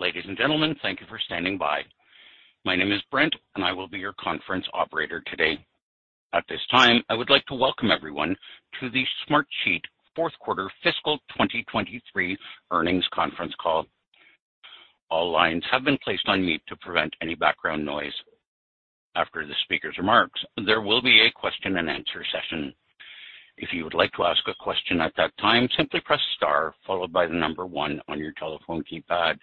Ladies and gentlemen, thank you for standing by. My name is Brent, and I will be your conference operator today. At this time, I would like to welcome everyone to the Smartsheet fourth quarter fiscal 2023 earnings conference call. All lines have been placed on mute to prevent any background noise. After the speaker's remarks, there will be a question-and-answer session. If you would like to ask a question at that time, simply press star followed by 1 on your telephone keypad.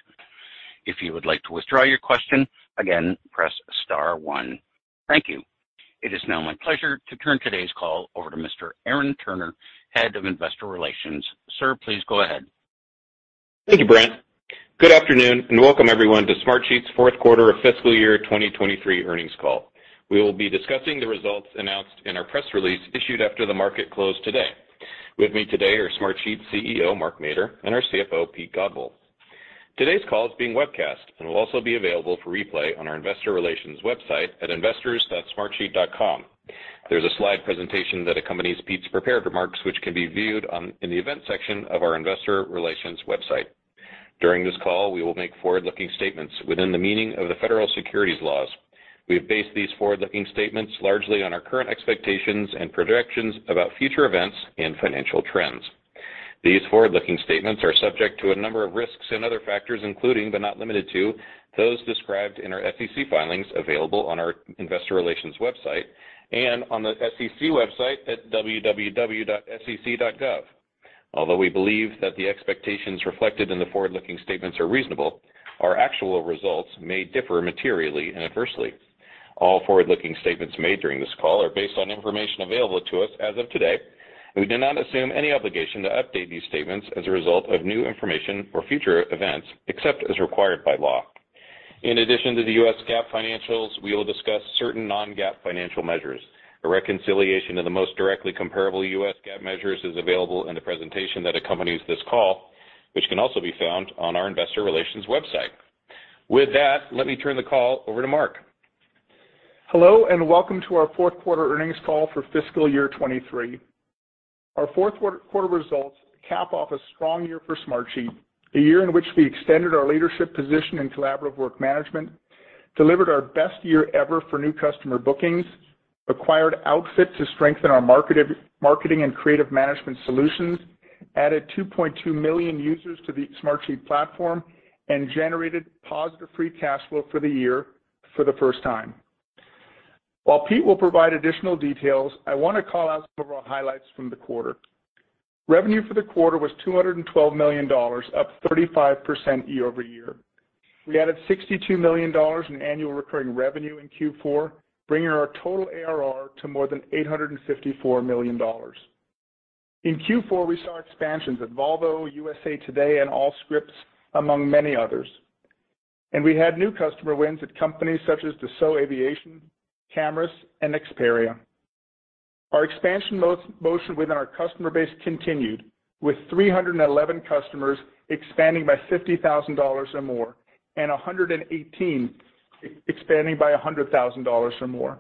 If you would like to withdraw your question, again, press star 1. Thank you. It is now my pleasure to turn today's call over to Mr. Aaron Turner, Head of Investor Relations. Sir, please go ahead. Thank you, Brent. Good afternoon, and welcome everyone to Smartsheet's fourth quarter of fiscal year 2023 earnings call. We will be discussing the results announced in our press release issued after the market closed today. With me today are Smartsheet CEO, Mark Mader, and our CFO, Pete Godbole. Today's call is being webcast and will also be available for replay on our investor relations website at investors.smartsheet.com. There's a slide presentation that accompanies Pete's prepared remarks, which can be viewed in the events section of our investor relations website. During this call, we will make forward-looking statements within the meaning of the federal securities laws. We have based these forward-looking statements largely on our current expectations and projections about future events and financial trends. These forward-looking statements are subject to a number of risks and other factors, including, but not limited to, those described in our SEC filings available on our investor relations website and on the SEC website at www.sec.gov. Although we believe that the expectations reflected in the forward-looking statements are reasonable, our actual results may differ materially and adversely. All forward-looking statements made during this call are based on information available to us as of today. We do not assume any obligation to update these statements as a result of new information or future events, except as required by law. In addition to the U.S. GAAP financials, we will discuss certain non-GAAP financial measures. A reconciliation of the most directly comparable U.S. GAAP measures is available in the presentation that accompanies this call, which can also be found on our investor relations website. With that, let me turn the call over to Mark. Hello, and welcome to our fourth-quarter earnings call for fiscal year 2023. Our fourth quarter results cap off a strong year for Smartsheet, a year in which we extended our leadership position in collaborative work management, delivered our best year ever for new customer bookings, acquired Outfit to strengthen our marketing and creative management solutions, added 2.2 million users to the Smartsheet platform, and generated positive free cash flow for the year for the first time. While Pete will provide additional details, I wanna call out several highlights from the quarter. Revenue for the quarter was $212 million, up 35% year-over-year. We added $62 million in annual recurring revenue in Q4, bringing our total ARR to more than $854 million. In Q4, we saw expansions at Volvo, USA Today, and Allscripts, among many others. We had new customer wins at companies such as Dassault Aviation, Carr's, and Experian. Our expansion motion within our customer base continued, with 311 customers expanding by $50,000 or more, and 118 expanding by $100,000 or more.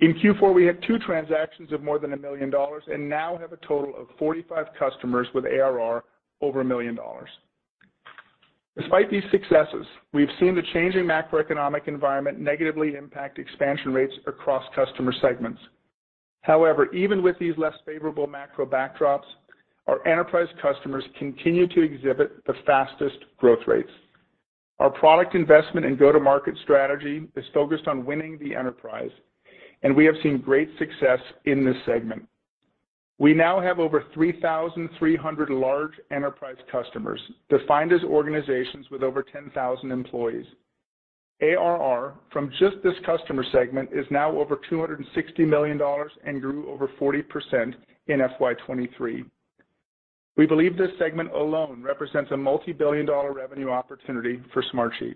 In Q4, we had 2 transactions of more than $1 million and now have a total of 45 customers with ARR over $1 million. Despite these successes, we've seen the changing macroeconomic environment negatively impact expansion rates across customer segments. Even with these less favorable macro backdrops, our enterprise customers continue to exhibit the fastest growth rates. Our product investment and go-to-market strategy is focused on winning the enterprise, and we have seen great success in this segment. We now have over 3,300 large enterprise customers, defined as organizations with over 10,000 employees. ARR from just this customer segment is now over $260 million and grew over 40% in FY 2023. We believe this segment alone represents a multi-billion dollar revenue opportunity for Smartsheet.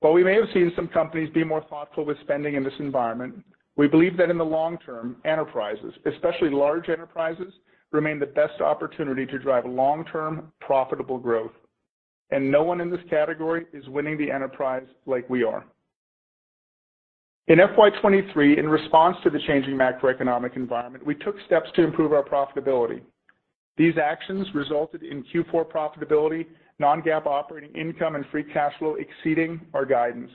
While we may have seen some companies be more thoughtful with spending in this environment, we believe that in the long term, enterprises, especially large enterprises, remain the best opportunity to drive long-term profitable growth. No one in this category is winning the enterprise like we are. In FY 2023, in response to the changing macroeconomic environment, we took steps to improve our profitability. These actions resulted in Q4 profitability, non-GAAP operating income, and free cash flow exceeding our guidance.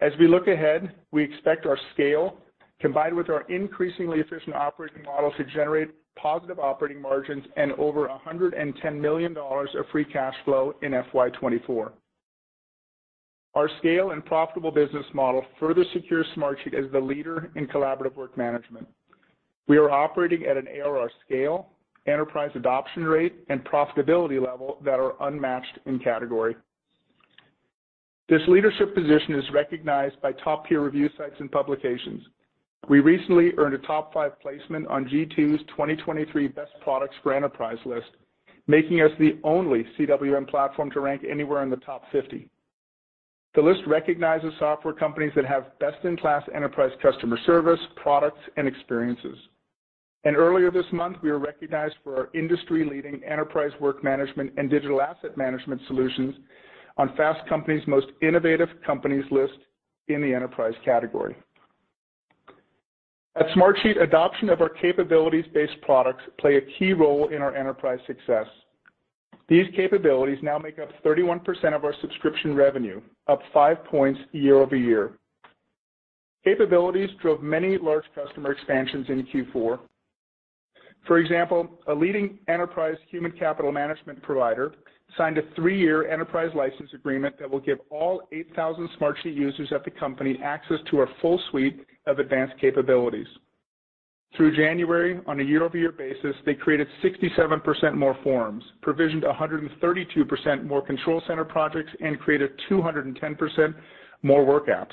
As we look ahead, we expect our scale, combined with our increasingly efficient operating model, to generate positive operating margins and over $110 million of free cash flow in FY 2024. Our scale and profitable business model further secures Smartsheet as the leader in collaborative work management. We are operating at an ARR scale, enterprise adoption rate, and profitability level that are unmatched in category. This leadership position is recognized by top peer review sites and publications. We recently earned a top 5 placement on G2's 2023 Best Products for Enterprise list, making us the only CWM platform to rank anywhere in the top 50. The list recognizes software companies that have best-in-class enterprise customer service, products, and experiences. Earlier this month, we were recognized for our industry-leading enterprise work management and digital asset management solutions on Fast Company's Most Innovative Companies list in the enterprise category. At Smartsheet, adoption of our capabilities-based products play a key role in our enterprise success. These capabilities now make up 31% of our subscription revenue, up 5 points year-over-year. Capabilities drove many large customer expansions in Q4. For example, a leading enterprise human capital management provider signed a three-year enterprise license agreement that will give all 8,000 Smartsheet users at the company access to our full suite of advanced capabilities. Through January, on a year-over-year basis, they created 67% more forms, provisioned 132% more Control Center projects, and created 210% more WorkApps.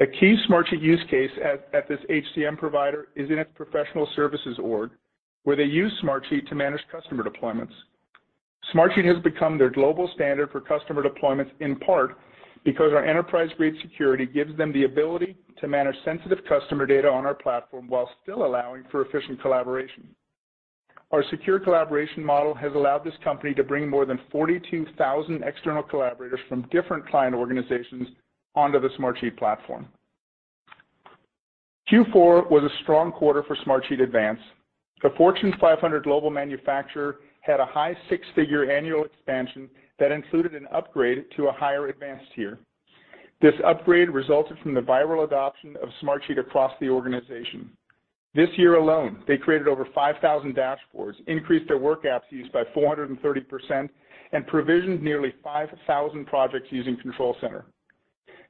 A key Smartsheet use case at this HCM provider is in its professional services org, where they use Smartsheet to manage customer deployments. Smartsheet has become their global standard for customer deployments, in part because our enterprise-grade security gives them the ability to manage sensitive customer data on our platform while still allowing for efficient collaboration. Our secure collaboration model has allowed this company to bring more than 42,000 external collaborators from different client organizations onto the Smartsheet platform. Q4 was a strong quarter for Smartsheet Advance. The Fortune 500 global manufacturer had a high six-figure annual expansion that included an upgrade to a higher advanced tier. This upgrade resulted from the viral adoption of Smartsheet across the organization. This year alone, they created over 5,000 dashboards, increased their WorkApps used by 430%, and provisioned nearly 5,000 projects using Control Center.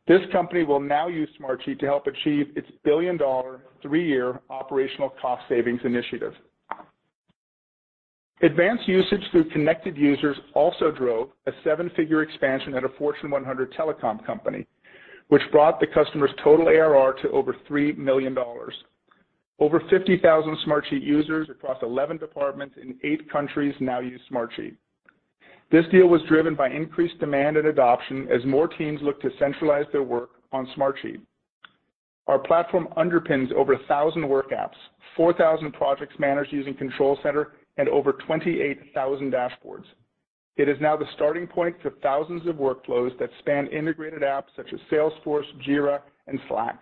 This company will now use Smartsheet to help achieve its billion-dollar three-year operational cost savings initiative. Advanced usage through Connected Users also drove a seven-figure expansion at a Fortune 100 telecom company, which brought the customer's total ARR to over $3 million. Over 50,000 Smartsheet users across 11 departments in 8 countries now use Smartsheet. This deal was driven by increased demand and adoption as more teams look to centralize their work on Smartsheet. Our platform underpins over 1,000 WorkApps, 4,000 projects managed using Control Center, and over 28,000 dashboards. It is now the starting point for thousands of workflows that span integrated apps such as Salesforce, Jira, and Slack,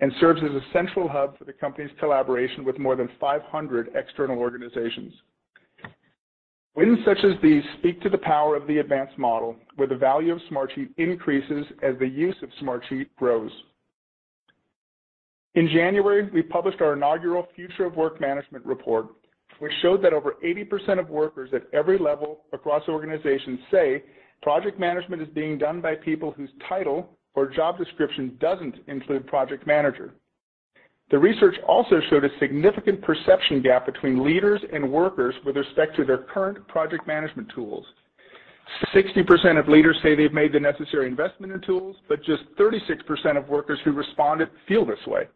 and serves as a central hub for the company's collaboration with more than 500 external organizations. Wins such as these speak to the power of the advanced model, where the value of Smartsheet increases as the use of Smartsheet grows. In January, we published our inaugural Future of Work Management report, which showed that over 80% of workers at every level across organizations say project management is being done by people whose title or job description doesn't include project manager. The research also showed a significant perception gap between leaders and workers with respect to their current project management tools. 60% of leaders say they've made the necessary investment in tools, but just 36% of workers who responded feel this way.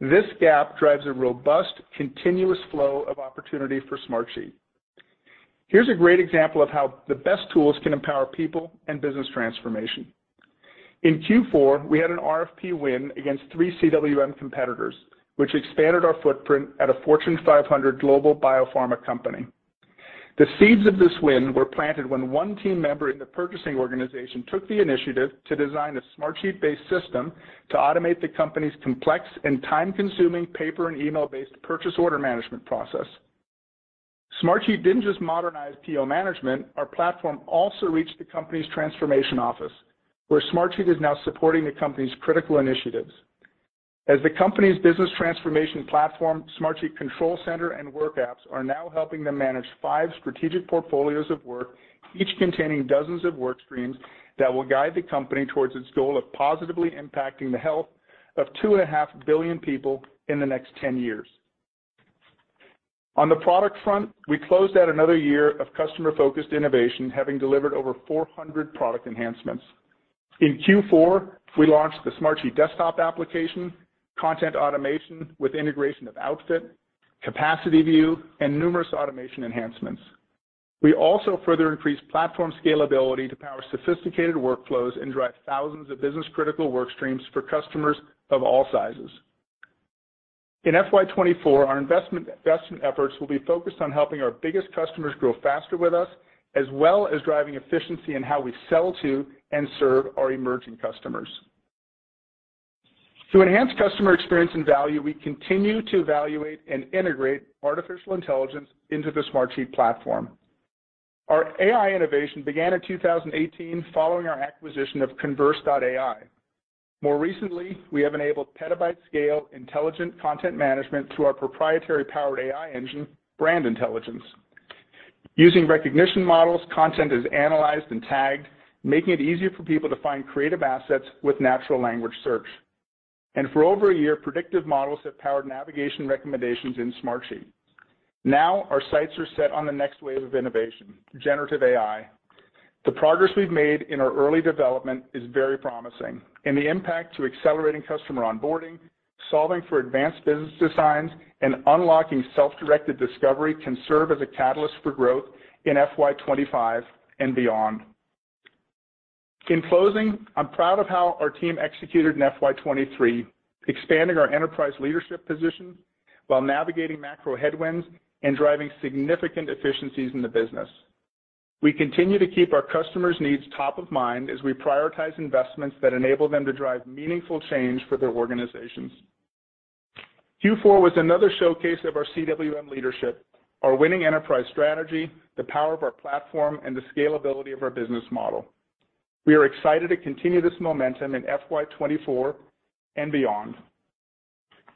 This gap drives a robust, continuous flow of opportunity for Smartsheet. Here's a great example of how the best tools can empower people and business transformation. In Q4, we had an RFP win against 3 CWM competitors, which expanded our footprint at a Fortune 500 global biopharma company. The seeds of this win were planted when one team member in the purchasing organization took the initiative to design a Smartsheet-based system to automate the company's complex and time-consuming paper and email-based purchase order management process. Smartsheet didn't just modernize PO management, our platform also reached the company's transformation office, where Smartsheet is now supporting the company's critical initiatives. As the company's business transformation platform, Smartsheet Control Center and WorkApps are now helping them manage five strategic portfolios of work, each containing dozens of work streams that will guide the company towards its goal of positively impacting the health of 2.5 billion people in the next 10 years. On the product front, we closed out another year of customer-focused innovation, having delivered over 400 product enhancements. In Q4, we launched the Smartsheet desktop app, Content Automation with integration of Outfit, Capacity View, and numerous automation enhancements. We also further increased platform scalability to power sophisticated workflows and drive thousands of business-critical work streams for customers of all sizes. In FY 2024, our investment efforts will be focused on helping our biggest customers grow faster with us, as well as driving efficiency in how we sell to and serve our emerging customers. To enhance customer experience and value, we continue to evaluate and integrate artificial intelligence into the Smartsheet platform. Our AI innovation began in 2018 following our acquisition of Converse.AI. More recently, we have enabled petabyte-scale intelligent content management through our proprietary-powered AI engine, Brand Intelligence. Using recognition models, content is analyzed and tagged, making it easier for people to find creative assets with natural language search. For over a year, predictive models have powered navigation recommendations in Smartsheet. Now, our sights are set on the next wave of innovation, generative AI. The progress we've made in our early development is very promising, the impact to accelerating customer onboarding, solving for advanced business designs, and unlocking self-directed discovery can serve as a catalyst for growth in FY 25 and beyond. In closing, I'm proud of how our team executed in FY23, expanding our enterprise leadership position while navigating macro headwinds and driving significant efficiencies in the business. We continue to keep our customers' needs top of mind as we prioritize investments that enable them to drive meaningful change for their organizations. Q4 was another showcase of our CWM leadership, our winning enterprise strategy, the power of our platform, and the scalability of our business model. We are excited to continue this momentum in FY24 and beyond.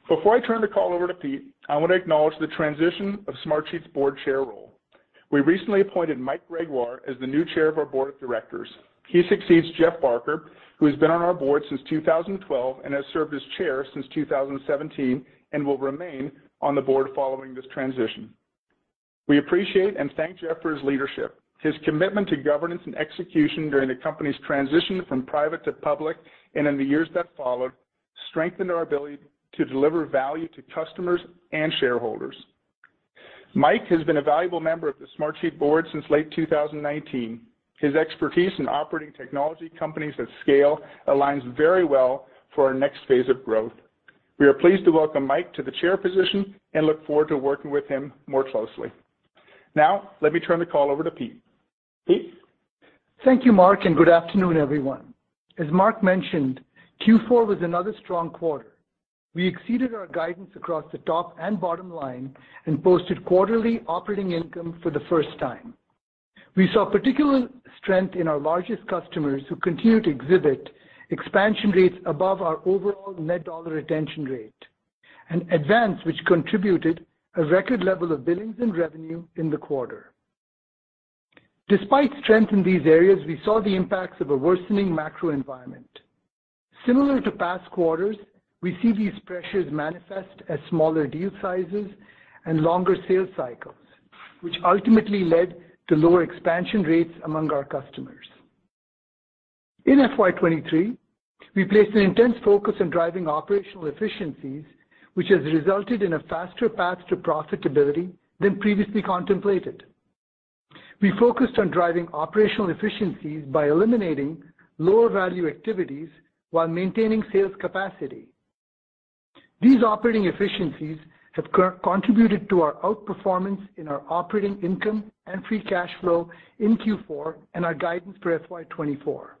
Before I turn the call over to Pete, I want to acknowledge the transition of Smartsheet's board chair role. We recently appointed Mike Gregoire as the new chair of our board of directors. He succeeds Jeff Barker, who has been on our board since 2012 and has served as Chair since 2017, and will remain on the board following this transition. We appreciate and thank Jeff for his leadership. His commitment to governance and execution during the company's transition from private to public, and in the years that followed, strengthened our ability to deliver value to customers and shareholders. Mike has been a valuable member of the Smartsheet board since late 2019. His expertise in operating technology companies at scale aligns very well for our next phase of growth. We are pleased to welcome Mike to the Chair position and look forward to working with him more closely. Now, let me turn the call over to Pete. Pete? Thank you, Mark, and good afternoon, everyone. As Mark mentioned, Q4 was another strong quarter. We exceeded our guidance across the top and bottom line and posted quarterly operating income for the first time. We saw particular strength in our largest customers who continue to exhibit expansion rates above our overall dollar-based net retention rate, an advance which contributed a record level of billings and revenue in the quarter. Despite strength in these areas, we saw the impacts of a worsening macro environment. Similar to past quarters, we see these pressures manifest as smaller deal sizes and longer sales cycles, which ultimately led to lower expansion rates among our customers. In FY 2023, we placed an intense focus on driving operational efficiencies, which has resulted in a faster path to profitability than previously contemplated. We focused on driving operational efficiencies by eliminating lower-value activities while maintaining sales capacity. These operating efficiencies have contributed to our outperformance in our operating income and free cash flow in Q4 and our guidance for FY 2024.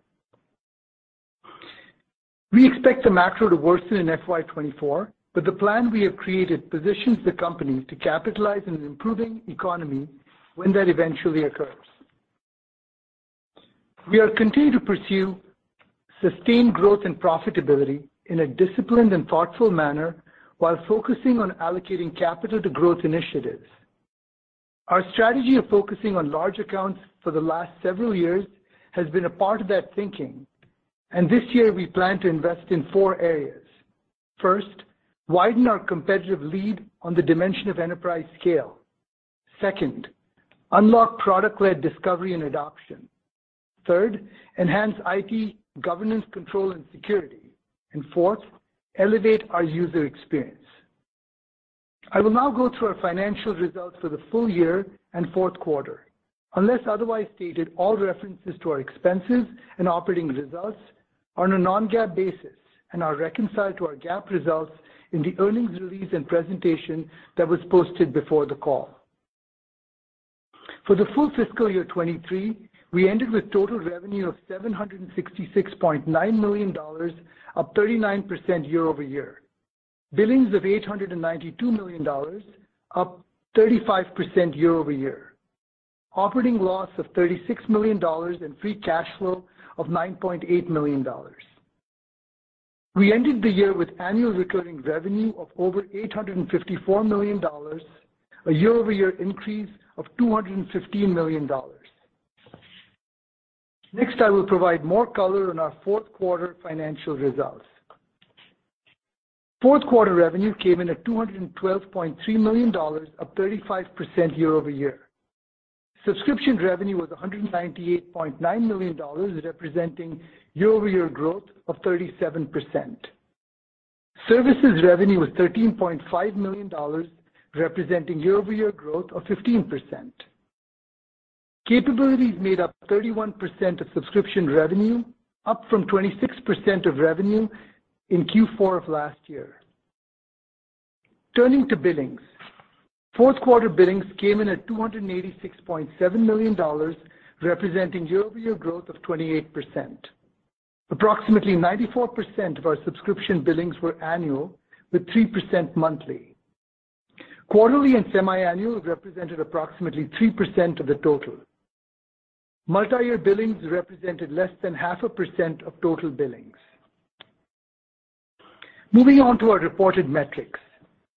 We expect the macro to worsen in FY 2024, but the plan we have created positions the company to capitalize on an improving economy when that eventually occurs. We are continuing to pursue sustained growth and profitability in a disciplined and thoughtful manner while focusing on allocating capital to growth initiatives. Our strategy of focusing on large accounts for the last several years has been a part of that thinking, and this year we plan to invest in four areas. First, widen our competitive lead on the dimension of enterprise scale. Second, unlock product-led discovery and adoption. Third, enhance IT governance, control, and security. And fourth, elevate our user experience. I will now go through our financial results for the full year and fourth quarter. Unless otherwise stated, all references to our expenses and operating results are on a non-GAAP basis and are reconciled to our GAAP results in the earnings release and presentation that was posted before the call. For the full fiscal year 2023, we ended with total revenue of $766.9 million, up 39% year-over-year. Billings of $892 million, up 35% year-over-year. Operating loss of $36 million and free cash flow of $9.8 million. We ended the year with annual recurring revenue of over $854 million, a year-over-year increase of $215 million. I will provide more color on our fourth quarter financial results. Fourth quarter revenue came in at $212.3 million, up 35% year-over-year. Subscription revenue was $198.9 million, representing year-over-year growth of 37%. Services revenue was $13.5 million, representing year-over-year growth of 15%. Capabilities made up 31% of subscription revenue, up from 26% of revenue in Q4 of last year. Turning to billings. Fourth quarter billings came in at $286.7 million, representing year-over-year growth of 28%. Approximately 94% of our subscription billings were annual, with 3% monthly. Quarterly and semiannual represented approximately 3% of the total. Multiyear billings represented less than 0.5% of total billings. Moving on to our reported metrics.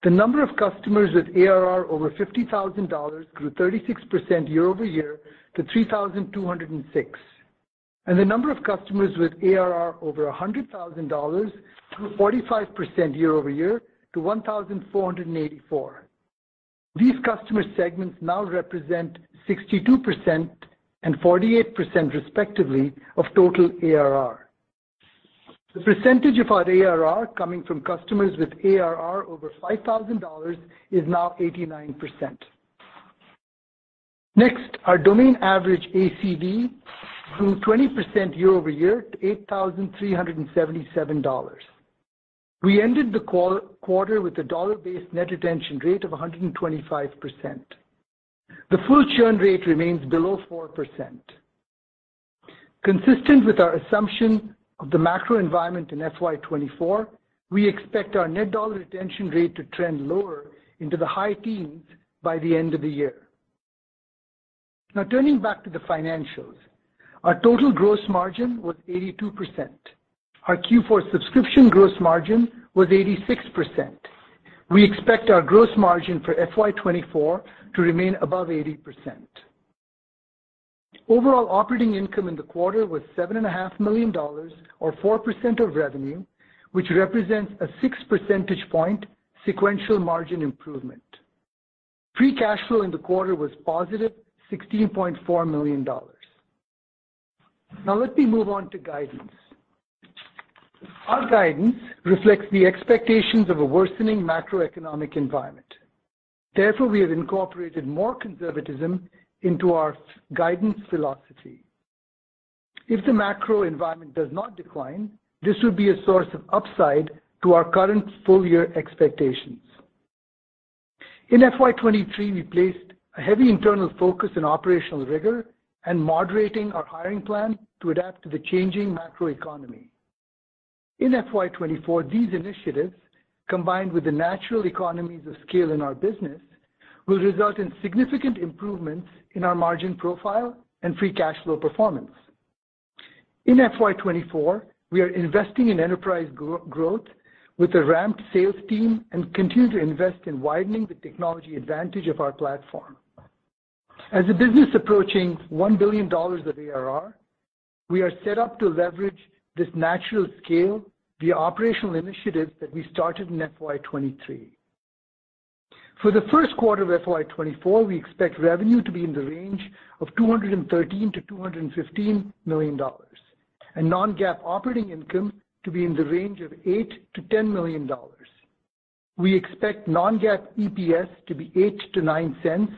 The number of customers with ARR over $50,000 grew 36% year-over-year to 3,206. The number of customers with ARR over $100 thousand grew 45% year-over-year to 1,484. These customer segments now represent 62% and 48% respectively of total ARR. The percentage of our ARR coming from customers with ARR over $5 thousand is now 89%. Next, our domain average ACV grew 20% year-over-year to $8,377. We ended the quarter with a dollar-based net retention rate of 125%. The full churn rate remains below 4%. Consistent with our assumption of the macro environment in FY 2024, we expect our dollar-based net retention rate to trend lower into the high teens by the end of the year. Now, turning back to the financials. Our total gross margin was 82%. Our Q4 subscription gross margin was 86%. We expect our gross margin for FY 2024 to remain above 80%. Overall operating income in the quarter was $7.5 million or 4% of revenue, which represents a 6 percentage point sequential margin improvement. Free cash flow in the quarter was positive, $16.4 million. Let me move on to guidance. Our guidance reflects the expectations of a worsening macroeconomic environment. We have incorporated more conservatism into our guidance philosophy. If the macro environment does not decline, this would be a source of upside to our current full year expectations. In FY 2023, we placed a heavy internal focus on operational rigor and moderating our hiring plan to adapt to the changing macroeconomy. In FY 2024, these initiatives, combined with the natural economies of scale in our business, will result in significant improvements in our margin profile and free cash flow performance. In FY 2024, we are investing in enterprise growth with a ramped sales team and continue to invest in widening the technology advantage of our platform. As a business approaching $1 billion of ARR, we are set up to leverage this natural scale, the operational initiatives that we started in FY 2023. For the first quarter of FY 2024, we expect revenue to be in the range of $213 million-$215 million, and non-GAAP operating income to be in the range of $8 million-$10 million. We expect non-GAAP EPS to be $0.08-$0.09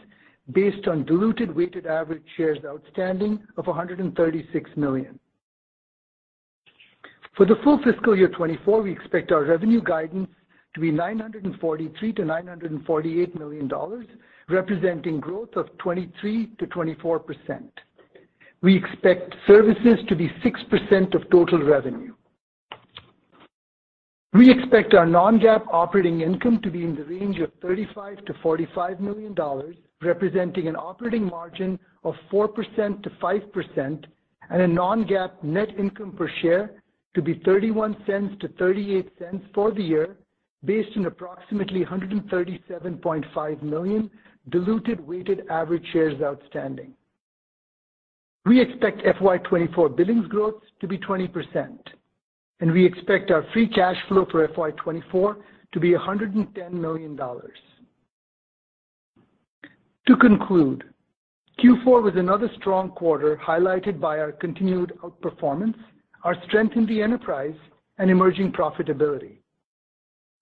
based on diluted weighted average shares outstanding of 136 million. For the full fiscal year 2024, we expect our revenue guidance to be $943 million-$948 million, representing growth of 23%-24%. We expect services to be 6% of total revenue. We expect our non-GAAP operating income to be in the range of $35 million-$45 million, representing an operating margin of 4%-5% and a non-GAAP net income per share to be $0.31-$0.38 for the year, based on approximately 137.5 million diluted weighted average shares outstanding. We expect FY 2024 billings growth to be 20%, and we expect our free cash flow for FY 2024 to be $110 million. To conclude, Q4 was another strong quarter highlighted by our continued outperformance, our strength in the enterprise and emerging profitability.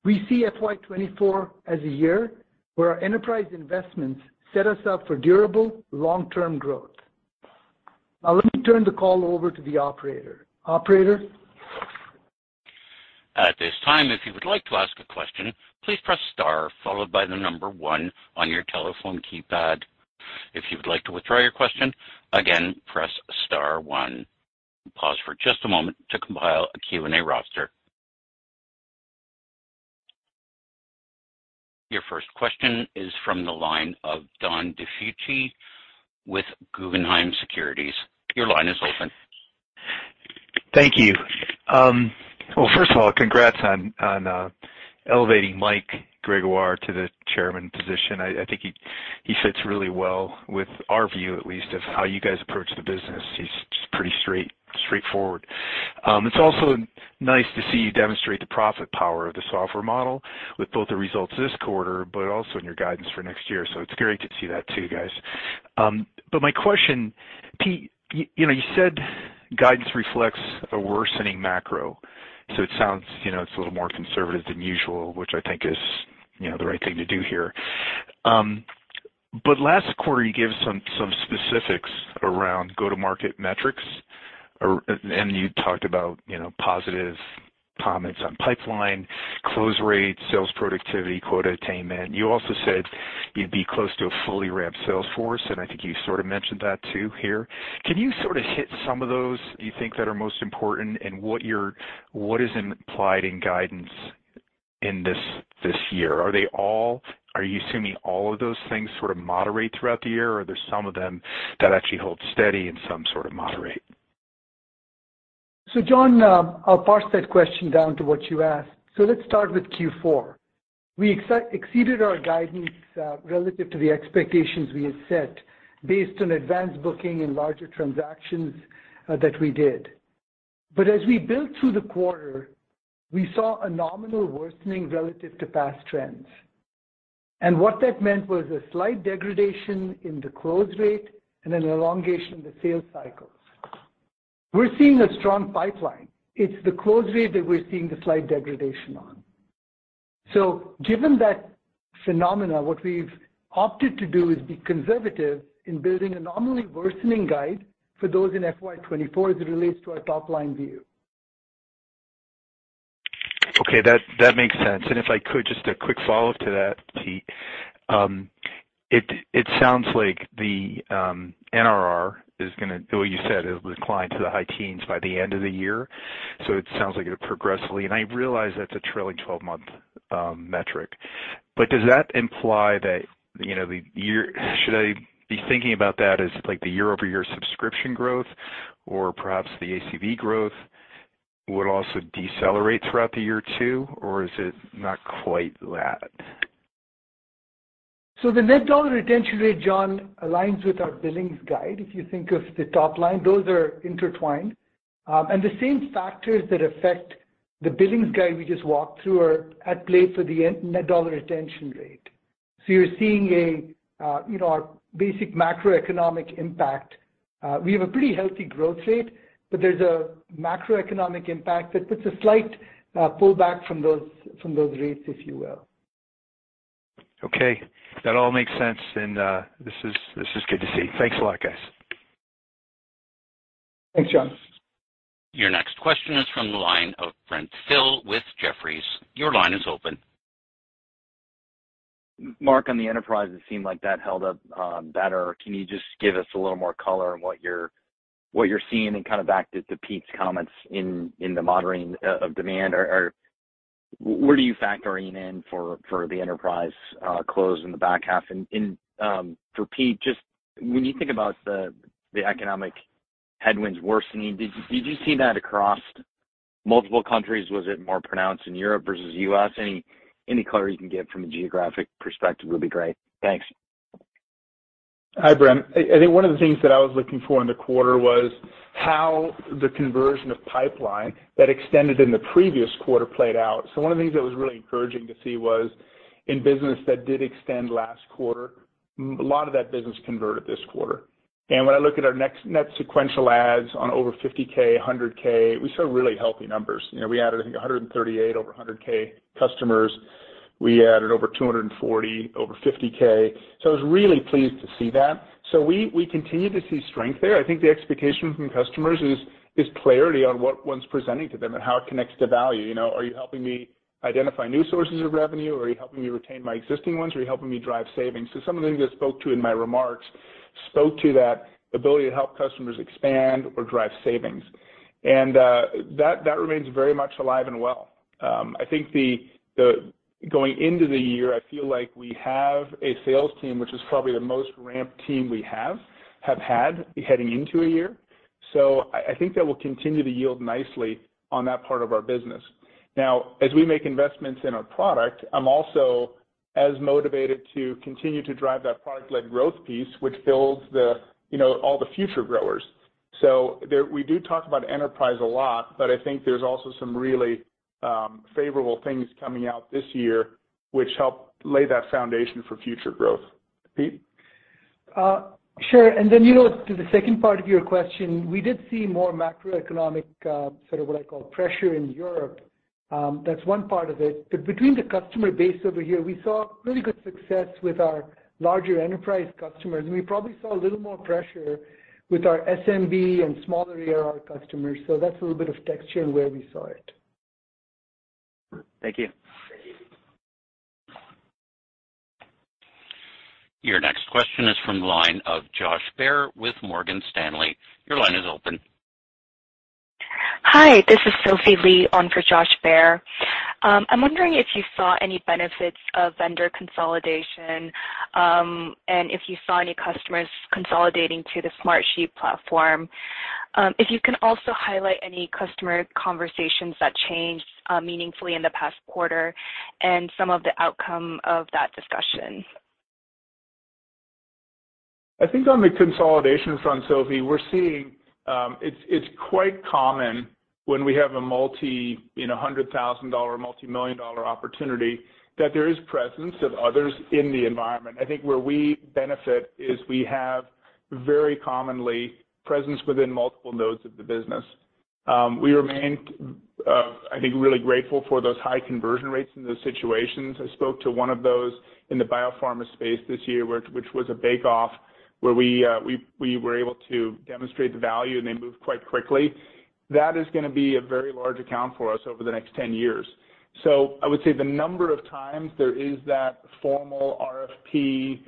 We see FY 2024 as a year where our enterprise investments set us up for durable long-term growth. Now let me turn the call over to the operator. Operator? At this time, if you would like to ask a question, please press star followed by the number one on your telephone keypad. If you would like to withdraw your question, again, press star one. Pause for just a moment to compile a Q&A roster. Your first question is from the line of John DiFucci with Guggenheim Securities. Your line is open. Thank you. Well, first of all, congrats on elevating Mike Gregoire to the chairman position. I think he fits really well with our view at least of how you guys approach the business. He's just pretty straight, straightforward. It's also nice to see you demonstrate the profit power of the software model with both the results this quarter but also in your guidance for next year. It's great to see that too, guys. My question, Pete, you know, you said guidance reflects a worsening macro, so it sounds, you know, it's a little more conservative than usual, which I think is, you know, the right thing to do here. Last quarter, you gave some specifics around go-to-market metrics and you talked about, you know, positive comments on pipeline, close rates, sales productivity, quota attainment. You also said you'd be close to a fully ramped sales force, and I think you sort of mentioned that too here. Can you sort of hit some of those you think that are most important and what is implied in guidance in this year? Are you assuming all of those things sort of moderate throughout the year, or are there some of them that actually hold steady and some sort of moderate? John, I'll parse that question down to what you asked. Let's start with Q4. We exceeded our guidance relative to the expectations we had set based on advanced booking and larger transactions that we did. As we built through the quarter, we saw a nominal worsening relative to past trends. What that meant was a slight degradation in the close rate and an elongation of the sales cycles. We're seeing a strong pipeline. It's the close rate that we're seeing the slight degradation on. Given that phenomena, what we've opted to do is be conservative in building a nominally worsening guide for those in FY 2024 as it relates to our top-line view. Okay. That makes sense. If I could, just a quick follow-up to that, Pete. It sounds like the NRR. Well, you said it will decline to the high teens by the end of the year, so it sounds like it progressively. I realize that's a trailing-twelve-month metric, but does that imply that, you know, Should I be thinking about that as like the year-over-year subscription growth or perhaps the ACV growth would also decelerate throughout the year too? Or is it not quite that? The dollar-based net retention rate, John, aligns with our billings guide. If you think of the top line, those are intertwined. The same factors that affect the billings guide we just walked through are at play for the dollar-based net retention rate. You're seeing a, you know, a basic macroeconomic impact. We have a pretty healthy growth rate, but there's a macroeconomic impact that puts a slight pullback from those rates, if you will. Okay, that all makes sense, and this is good to see. Thanks a lot, guys. Thanks, John. Your next question is from the line of Brent Thill with Jefferies. Your line is open. Mark, on the enterprise, it seemed like that held up better. Can you just give us a little more color on what you're seeing, and kind of back to Pete's comments in the moderating of demand, or where do you factor in for the enterprise close in the back half? For Pete, just when you think about the economic headwinds worsening, did you see that across multiple countries? Was it more pronounced in Europe versus U.S.? Any color you can give from a geographic perspective would be great. Thanks. Hi, Brent. I think one of the things that I was looking for in the quarter was how the conversion of pipeline that extended in the previous quarter played out. One of the things that was really encouraging to see was in business that did extend last quarter, a lot of that business converted this quarter. When I look at our next net sequential adds on over $50K, $100K, we saw really healthy numbers. You know, we added, I think, 138 over $100K customers. We added over 240 over $50K. I was really pleased to see that. We continue to see strength there. I think the expectation from customers is clarity on what one's presenting to them and how it connects to value. You know, are you helping me identify new sources of revenue? Are you helping me retain my existing ones? Are you helping me drive savings? Some of the things I spoke to in my remarks spoke to that ability to help customers expand or drive savings. That remains very much alive and well. I think going into the year, I feel like we have a sales team, which is probably the most ramped team we have had heading into a year. I think that will continue to yield nicely on that part of our business. Now, as we make investments in our product, I'm also as motivated to continue to drive that product-led growth piece, which builds the, you know, all the future growers. There we do talk about enterprise a lot, but I think there's also some really favorable things coming out this year which help lay that foundation for future growth. Pete? Sure. You know, to the second part of your question, we did see more macroeconomic, sort of what I call pressure in Europe. That's one part of it. Between the customer base over here, we saw really good success with our larger enterprise customers, and we probably saw a little more pressure with our SMB and smaller ARR customers. That's a little bit of texture where we saw it. Thank you. Your next question is from the line of Josh Baer with Morgan Stanley. Your line is open. Hi, this is Sophie Lee on for Josh Baer. I'm wondering if you saw any benefits of vendor consolidation, and if you saw any customers consolidating to the Smartsheet platform. If you can also highlight any customer conversations that changed meaningfully in the past quarter and some of the outcome of that discussion. I think on the consolidation front, Sophie, we're seeing. It's, it's quite common when we have a multi, you know, $100,000, $multi-million opportunity, that there is presence of others in the environment. I think where we benefit is we have very commonly presence within multiple nodes of the business. We remain, I think, really grateful for those high conversion rates in those situations. I spoke to one of those in the biopharma space this year, which was a bake off, where we were able to demonstrate the value, and they moved quite quickly. That is gonna be a very large account for us over the next 10 years. I would say the number of times there is that formal RFP,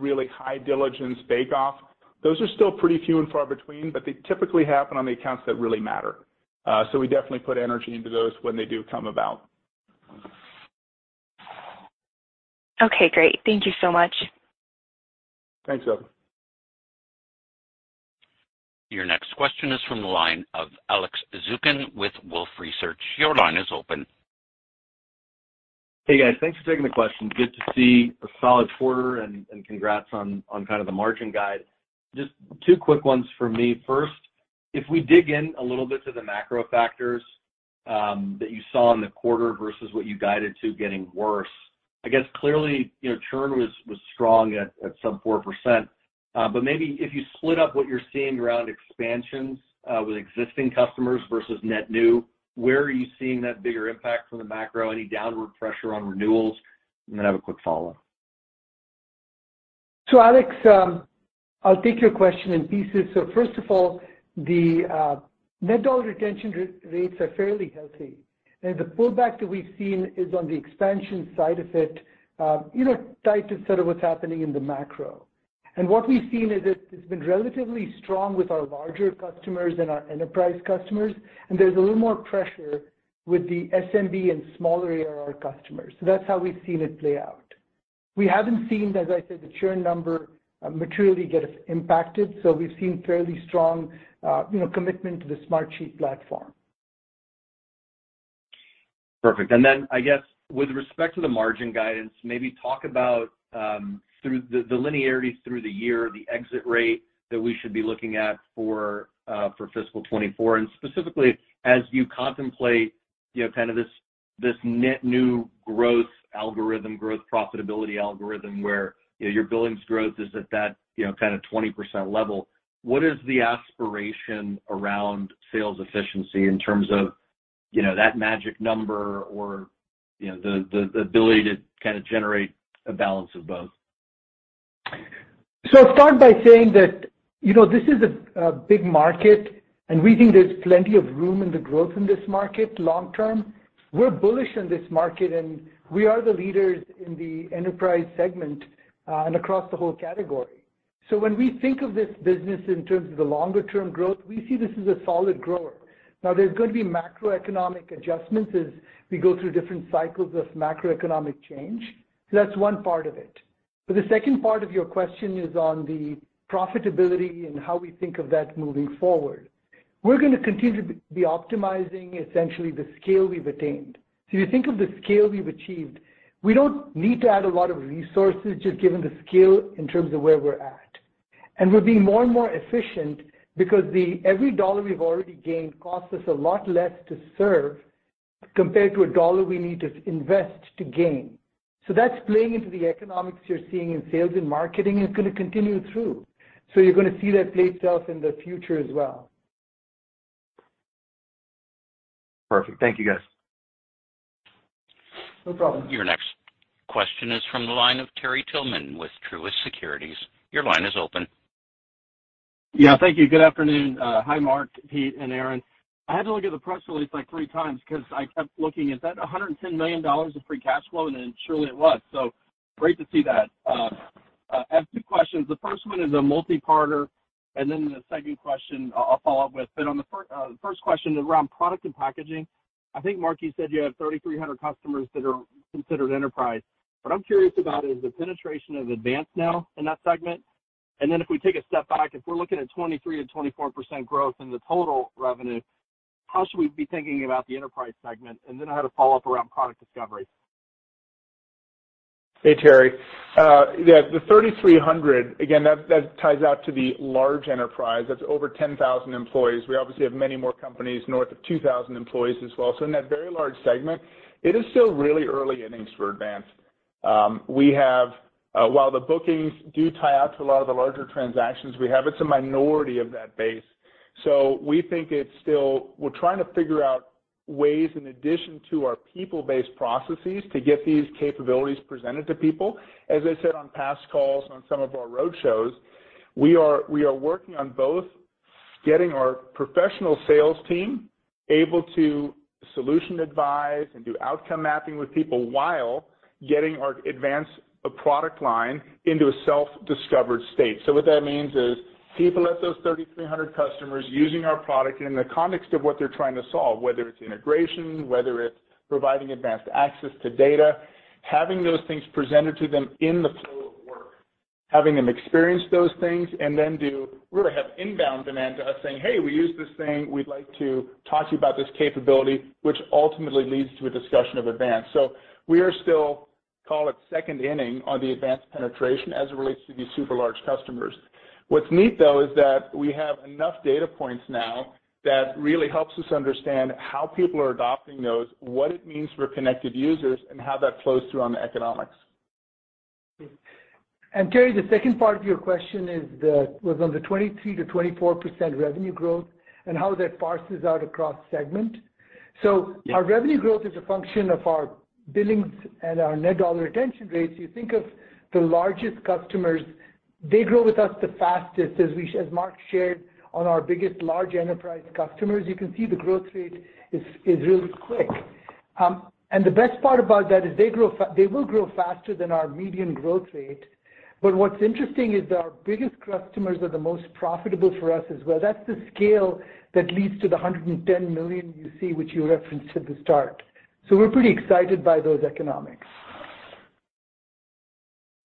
really high diligence bake off, those are still pretty few and far between, but they typically happen on the accounts that really matter. We definitely put energy into those when they do come about. Okay, great. Thank you so much. Thanks, Sophie. Your next question is from the line of Alex Zukin with Wolfe Research. Your line is open. Hey, guys. Thanks for taking the question. Good to see a solid quarter, and congrats on kind of the margin guide. Just two quick ones for me. First, if we dig in a little bit to the macro factors that you saw in the quarter versus what you guided to getting worse? I guess clearly, you know, churn was strong at sub 4%. Maybe if you split up what you're seeing around expansions with existing customers versus net new, where are you seeing that bigger impact from the macro? Any downward pressure on renewals? I have a quick follow-up. Alex, I'll take your question in pieces. First of all, the net dollar retention rates are fairly healthy, and the pullback that we've seen is on the expansion side of it, you know, tied to sort of what's happening in the macro. What we've seen is it's been relatively strong with our larger customers and our enterprise customers, and there's a little more pressure with the SMB and smaller ARR customers. That's how we've seen it play out. We haven't seen, as I said, the churn number materially get impacted, so we've seen fairly strong, you know, commitment to the Smartsheet platform. Perfect. Then I guess with respect to the margin guidance, maybe talk about, through the linearity through the year, the exit rate that we should be looking at for fiscal 2024. Specifically, as you contemplate, you know, kind of this net new growth algorithm, growth profitability algorithm where, you know, your billings growth is at that, you know, kind of 20% level, what is the aspiration around sales efficiency in terms of, you know, that magic number or, you know, the ability to kind of generate a balance of both? I'll start by saying that, you know, this is a big market, and we think there's plenty of room in the growth in this market long term. We're bullish on this market, and we are the leaders in the enterprise segment, and across the whole category. When we think of this business in terms of the longer term growth, we see this as a solid grower. Now, there's going to be macroeconomic adjustments as we go through different cycles of macroeconomic change. That's one part of it. The second part of your question is on the profitability and how we think of that moving forward. We're gonna continue to be optimizing essentially the scale we've attained. You think of the scale we've achieved, we don't need to add a lot of resources just given the scale in terms of where we're at. We're being more and more efficient because the every dollar we've already gained costs us a lot less to serve compared to a dollar we need to invest to gain. That's playing into the economics you're seeing in sales and marketing, and it's gonna continue through. You're gonna see that play itself in the future as well. Perfect. Thank you, guys. No problem. Your next question is from the line of Terry Tillman with Truist Securities. Your line is open. Yeah. Thank you. Good afternoon. Hi, Mark, Pete, and Aaron. I had to look at the press release like 3 times 'cause I kept looking, is that $110 million of free cash flow? Surely it was. Great to see that. I have two questions. The first one is a multi-parter. The second question I'll follow up with. On the first question is around product and packaging. I think Mark, you said you have 3,300 customers that are considered enterprise. What I'm curious about is the penetration of Advanced now in that segment. If we take a step back, if we're looking at 23%-24% growth in the total revenue, how should we be thinking about the enterprise segment? I had a follow-up around product discovery. Hey, Terry. Yeah, the 3,300, again, that ties out to the large enterprise. That's over 10,000 employees. We obviously have many more companies north of 2,000 employees as well. In that very large segment, it is still really early innings for Advance. We have, while the bookings do tie out to a lot of the larger transactions we have, it's a minority of that base. We think it's still. We're trying to figure out ways in addition to our people-based processes to get these capabilities presented to people. As I said on past calls on some of our roadshows, we are working on both getting our professional sales team able to solution advise and do outcome mapping with people while getting our Advance product line into a self-discovered state. What that means is people at those 3,300 customers using our product in the context of what they're trying to solve, whether it's integration, whether it's providing advanced access to data, having those things presented to them in the flow of work, having them experience those things, and then we're gonna have inbound demand to us saying, "Hey, we use this thing. We'd like to talk to you about this capability," which ultimately leads to a discussion of Advance. We are still, call it, second inning on the Advance penetration as it relates to these super large customers. What's neat though is that we have enough data points now that really helps us understand how people are adopting those, what it means for Connected Users, and how that flows through on the economics. Terry, the second part of your question is was on the 23%-24% revenue growth and how that parses out across segment. Yeah. Our revenue growth is a function of our billings and our net dollar retention rates. You think of the largest customers, they grow with us the fastest. As Mark shared on our biggest large enterprise customers, you can see the growth rate is really quick. The best part about that is they will grow faster than our median growth rate. What's interesting is our biggest customers are the most profitable for us as well. That's the scale that leads to the $110 million you see, which you referenced at the start. We're pretty excited by those economics.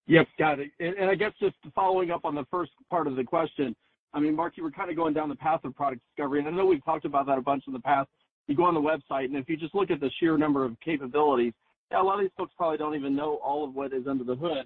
Yep, got it. I guess just following up on the first part of the question, I mean, Mark, you were kind of going down the path of product discovery, and I know we've talked about that a bunch in the past. You go on the website, and if you just look at the sheer number of capabilities, a lot of these folks probably don't even know all of what is under the hood.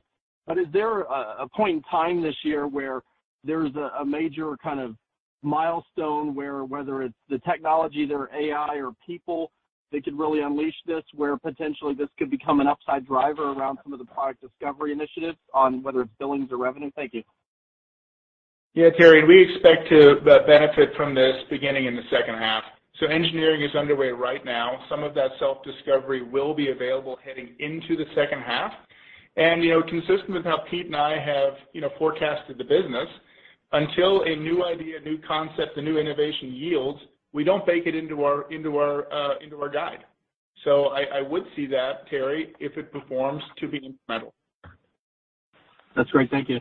Is there a point in time this year where there's a major kind of milestone where whether it's the technology, their AI or people that could really unleash this, where potentially this could become an upside driver around some of the product discovery initiatives on whether it's billings or revenue? Thank you. Yeah, Terry, we expect to benefit from this beginning in the second half. Engineering is underway right now. Some of that self-discovery will be available heading into the second half. You know, consistent with how Pete and I have, you know, forecasted the business, until a new idea, new concept, a new innovation yields, we don't bake it into our, into our guide. I would see that, Terry, if it performs to be incremental. That's great. Thank you.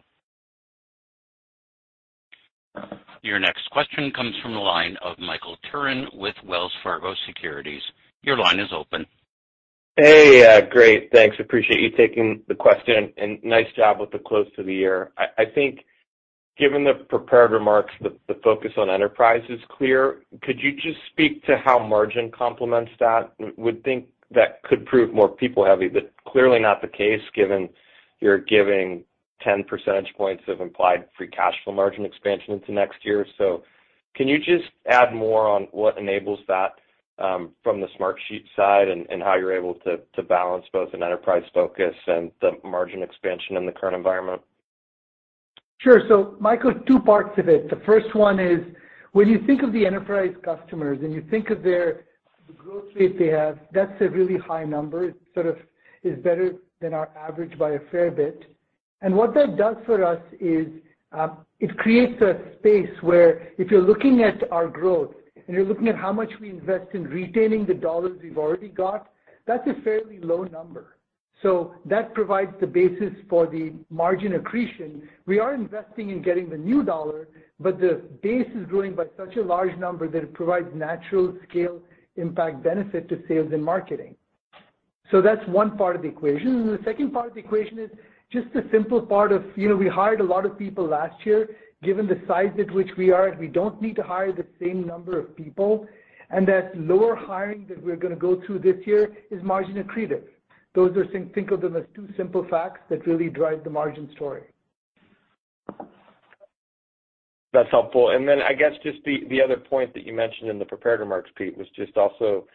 Your next question comes from the line of Michael Turrin with Wells Fargo Securities. Your line is open. Great. Thanks. Appreciate you taking the question, and nice job with the close to the year. I think given the prepared remarks, the focus on enterprise is clear. Could you just speak to how margin complements that? would think that could prove more people heavy, but clearly not the case given you're giving 10 percentage points of implied free cash flow margin expansion into next year. Can you just add more on what enables that from the Smartsheet side and how you're able to balance both an enterprise focus and the margin expansion in the current environment? Sure. Michael, two parts of it. The first one is when you think of the enterprise customers and you think of their growth rate they have, that's a really high number. It sort of is better than our average by a fair bit. What that does for us is, it creates a space where if you're looking at our growth and you're looking at how much we invest in retaining the dollars we've already got, that's a fairly low number. That provides the basis for the margin accretion. We are investing in getting the new dollar, the base is growing by such a large number that it provides natural scale impact benefit to sales and marketing. That's one part of the equation. The second part of the equation is just the simple part of, you know, we hired a lot of people last year. Given the size at which we are, we don't need to hire the same number of people, and that lower hiring that we're gonna go through this year is margin accretive. Those are things, think of them as two simple facts that really drive the margin story. That's helpful. I guess just the other point that you mentioned in the prepared remarks, Pete, was just also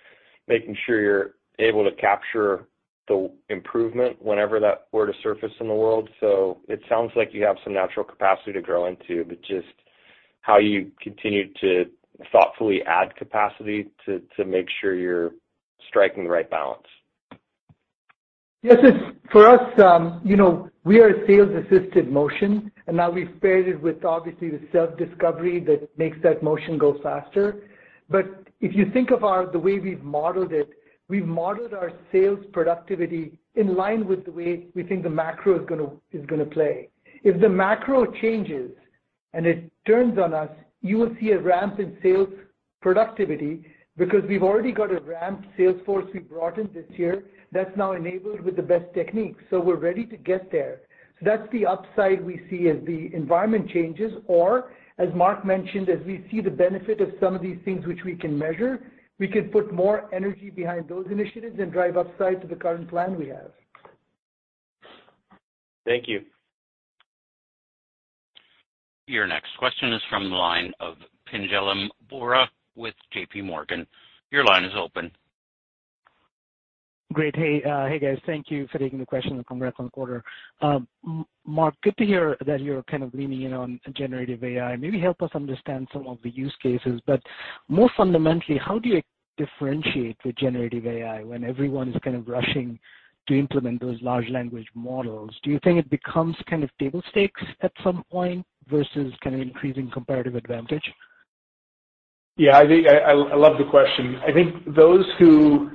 making sure you're able to capture the improvement whenever that were to surface in the world. It sounds like you have some natural capacity to grow into, but just how you continue to thoughtfully add capacity to make sure you're striking the right balance. Yes. It's For us, you know, we are a sales-assisted motion. Now we've paired it with obviously the self-discovery that makes that motion go faster. If you think of our the way we've modeled it, we've modeled our sales productivity in line with the way we think the macro is gonna play. If the macro changes and it turns on us, you will see a ramp in sales productivity because we've already got a ramp sales force we brought in this year that's now enabled with the best techniques. We're ready to get there. That's the upside we see as the environment changes, or, as Mark mentioned, as we see the benefit of some of these things which we can measure, we could put more energy behind those initiatives and drive upside to the current plan we have. Thank you. Your next question is from the line of Pinjalim Bora with J.P. Morgan. Your line is open. Great. Hey. Hey, guys. Thank you for taking the question. Congrats on the quarter. Mark, good to hear that you're kind of leaning in on generative AI. Maybe help us understand some of the use cases. More fundamentally, how do you differentiate with generative AI when everyone is kind of rushing to implement those large language models? Do you think it becomes kind of table stakes at some point versus kind of increasing competitive advantage? I love the question. I think those who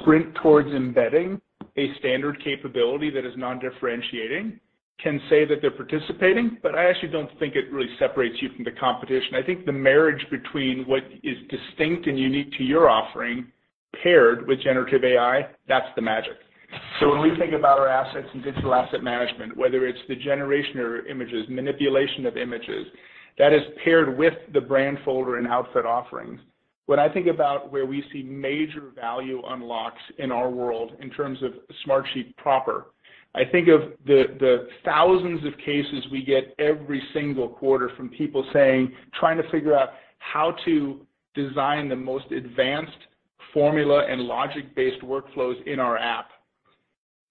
sprint towards embedding a standard capability that is non-differentiating can say that they're participating. I actually don't think it really separates you from the competition. I think the marriage between what is distinct and unique to your offering paired with generative AI, that's the magic. When we think about our assets and digital asset management, whether it's the generation or images, manipulation of images, that is paired with the Brandfolder and Outfit offerings. When I think about where we see major value unlocks in our world in terms of Smartsheet proper, I think of the thousands of cases we get every single quarter from people saying, trying to figure out how to design the most advanced formula and logic-based workflows in our app.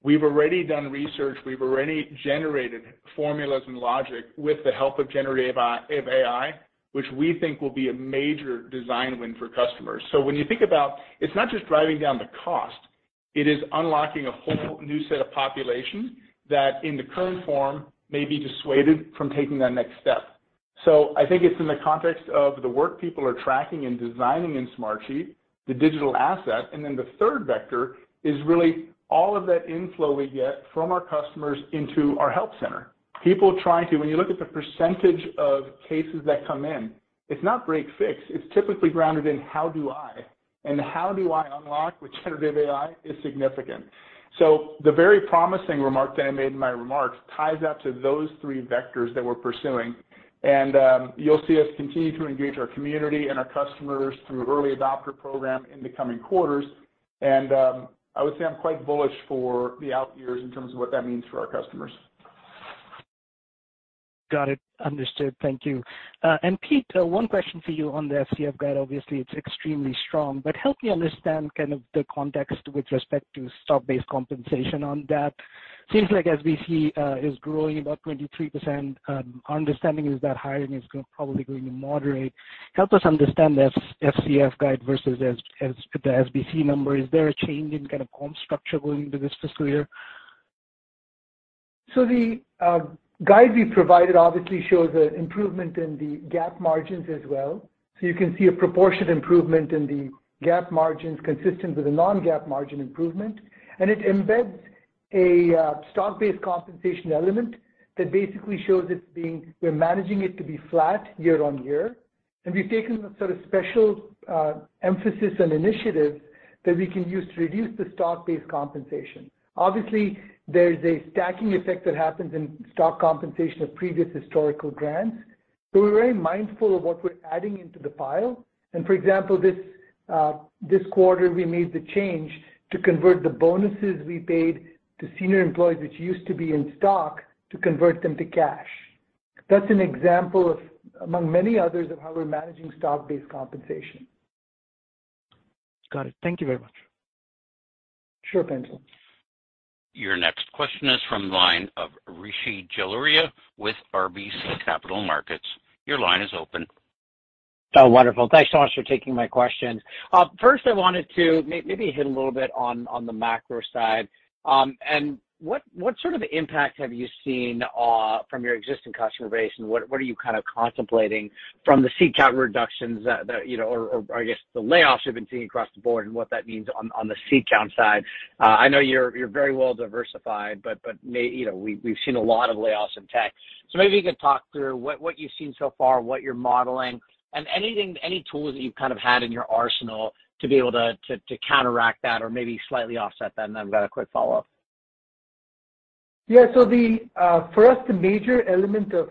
We've already done research. We've already generated formulas and logic with the help of generative AI, which we think will be a major design win for customers. When you think about, it's not just driving down the cost, it is unlocking a whole new set of population that in the current form may be dissuaded from taking that next step. I think it's in the context of the work people are tracking and designing in Smartsheet, the digital asset. The third vector is really all of that inflow we get from our customers into our help center. When you look at the % of cases that come in, it's not break/fix. It's typically grounded in how do I, and how do I unlock with generative AI is significant. The very promising remark that I made in my remarks ties up to those three vectors that we're pursuing. You'll see us continue to engage our community and our customers through early adopter program in the coming quarters. I would say I'm quite bullish for the out years in terms of what that means for our customers. Got it. Understood. Thank you. Pete, one question for you on the FCF guide. Obviously, it's extremely strong, but help me understand kind of the context with respect to stock-based compensation on that. Seems like SBC is growing about 23%. Our understanding is that hiring is probably going to moderate. Help us understand the FCF guide versus the SBC number. Is there a change in kind of comp structure going into this fiscal year? The guide we provided obviously shows an improvement in the GAAP margins as well. You can see a proportionate improvement in the GAAP margins consistent with the non-GAAP margin improvement. It embeds a stock-based compensation element that basically shows we're managing it to be flat year-on-year. We've taken a sort of special emphasis and initiative that we can use to reduce the stock-based compensation. Obviously, there's a stacking effect that happens in stock compensation of previous historical grants. We're very mindful of what we're adding into the pile. For example, this quarter, we made the change to convert the bonuses we paid to senior employees, which used to be in stock, to convert them to cash. That's an example of, among many others, of how we're managing stock-based compensation. Got it. Thank you very much. Sure thanks. Your next question is from the line of Rishi Jaluria with RBC Capital Markets. Your line is open. Wonderful. Thanks so much for taking my questions. First, I wanted to maybe hit a little bit on the macro side. What, what sort of impact have you seen, from your existing customer base, and what are you kind of contemplating from the seat count reductions that, you know, or I guess the layoffs you've been seeing across the board and what that means on the seat count side? I know you're very well diversified, but, you know, we've seen a lot of layoffs in tech. Maybe you could talk through what you've seen so far, what you're modeling, and any tools that you've kind of had in your arsenal to be able to counteract that or maybe slightly offset that. I've got a quick follow-up. Yeah. The for us, the major element of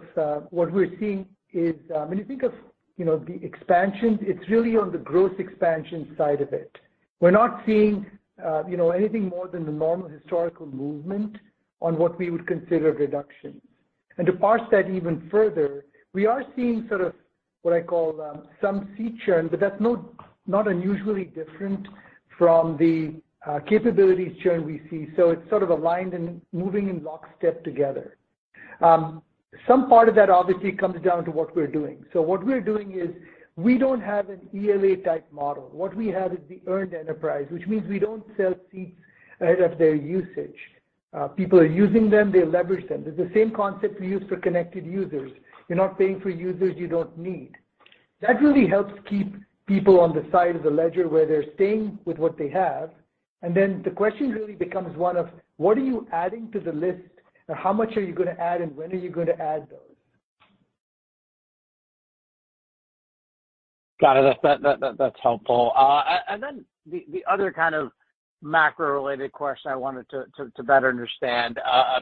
what we're seeing is, when you think of, you know, the expansions, it's really on the gross expansion side of it. We're not seeing, you know, anything more than the normal historical movement on what we would consider reductions. To parse that even further, we are seeing sort of what I call, some seat churn, but that's not unusually different from the capabilities churn we see. It's sort of aligned and moving in lockstep together. Some part of that obviously comes down to what we're doing. What we're doing is we don't have an ELA type model. What we have is the earned enterprise, which means we don't sell seats ahead of their usage. People are using them, they leverage them. It's the same concept we use for Connected Users. You're not paying for users you don't need. That really helps keep people on the side of the ledger where they're staying with what they have. The question really becomes one of, what are you adding to the list and how much are you gonna add and when are you gonna add those? Got it. That's helpful. The other kind of macro related question I wanted to better understand,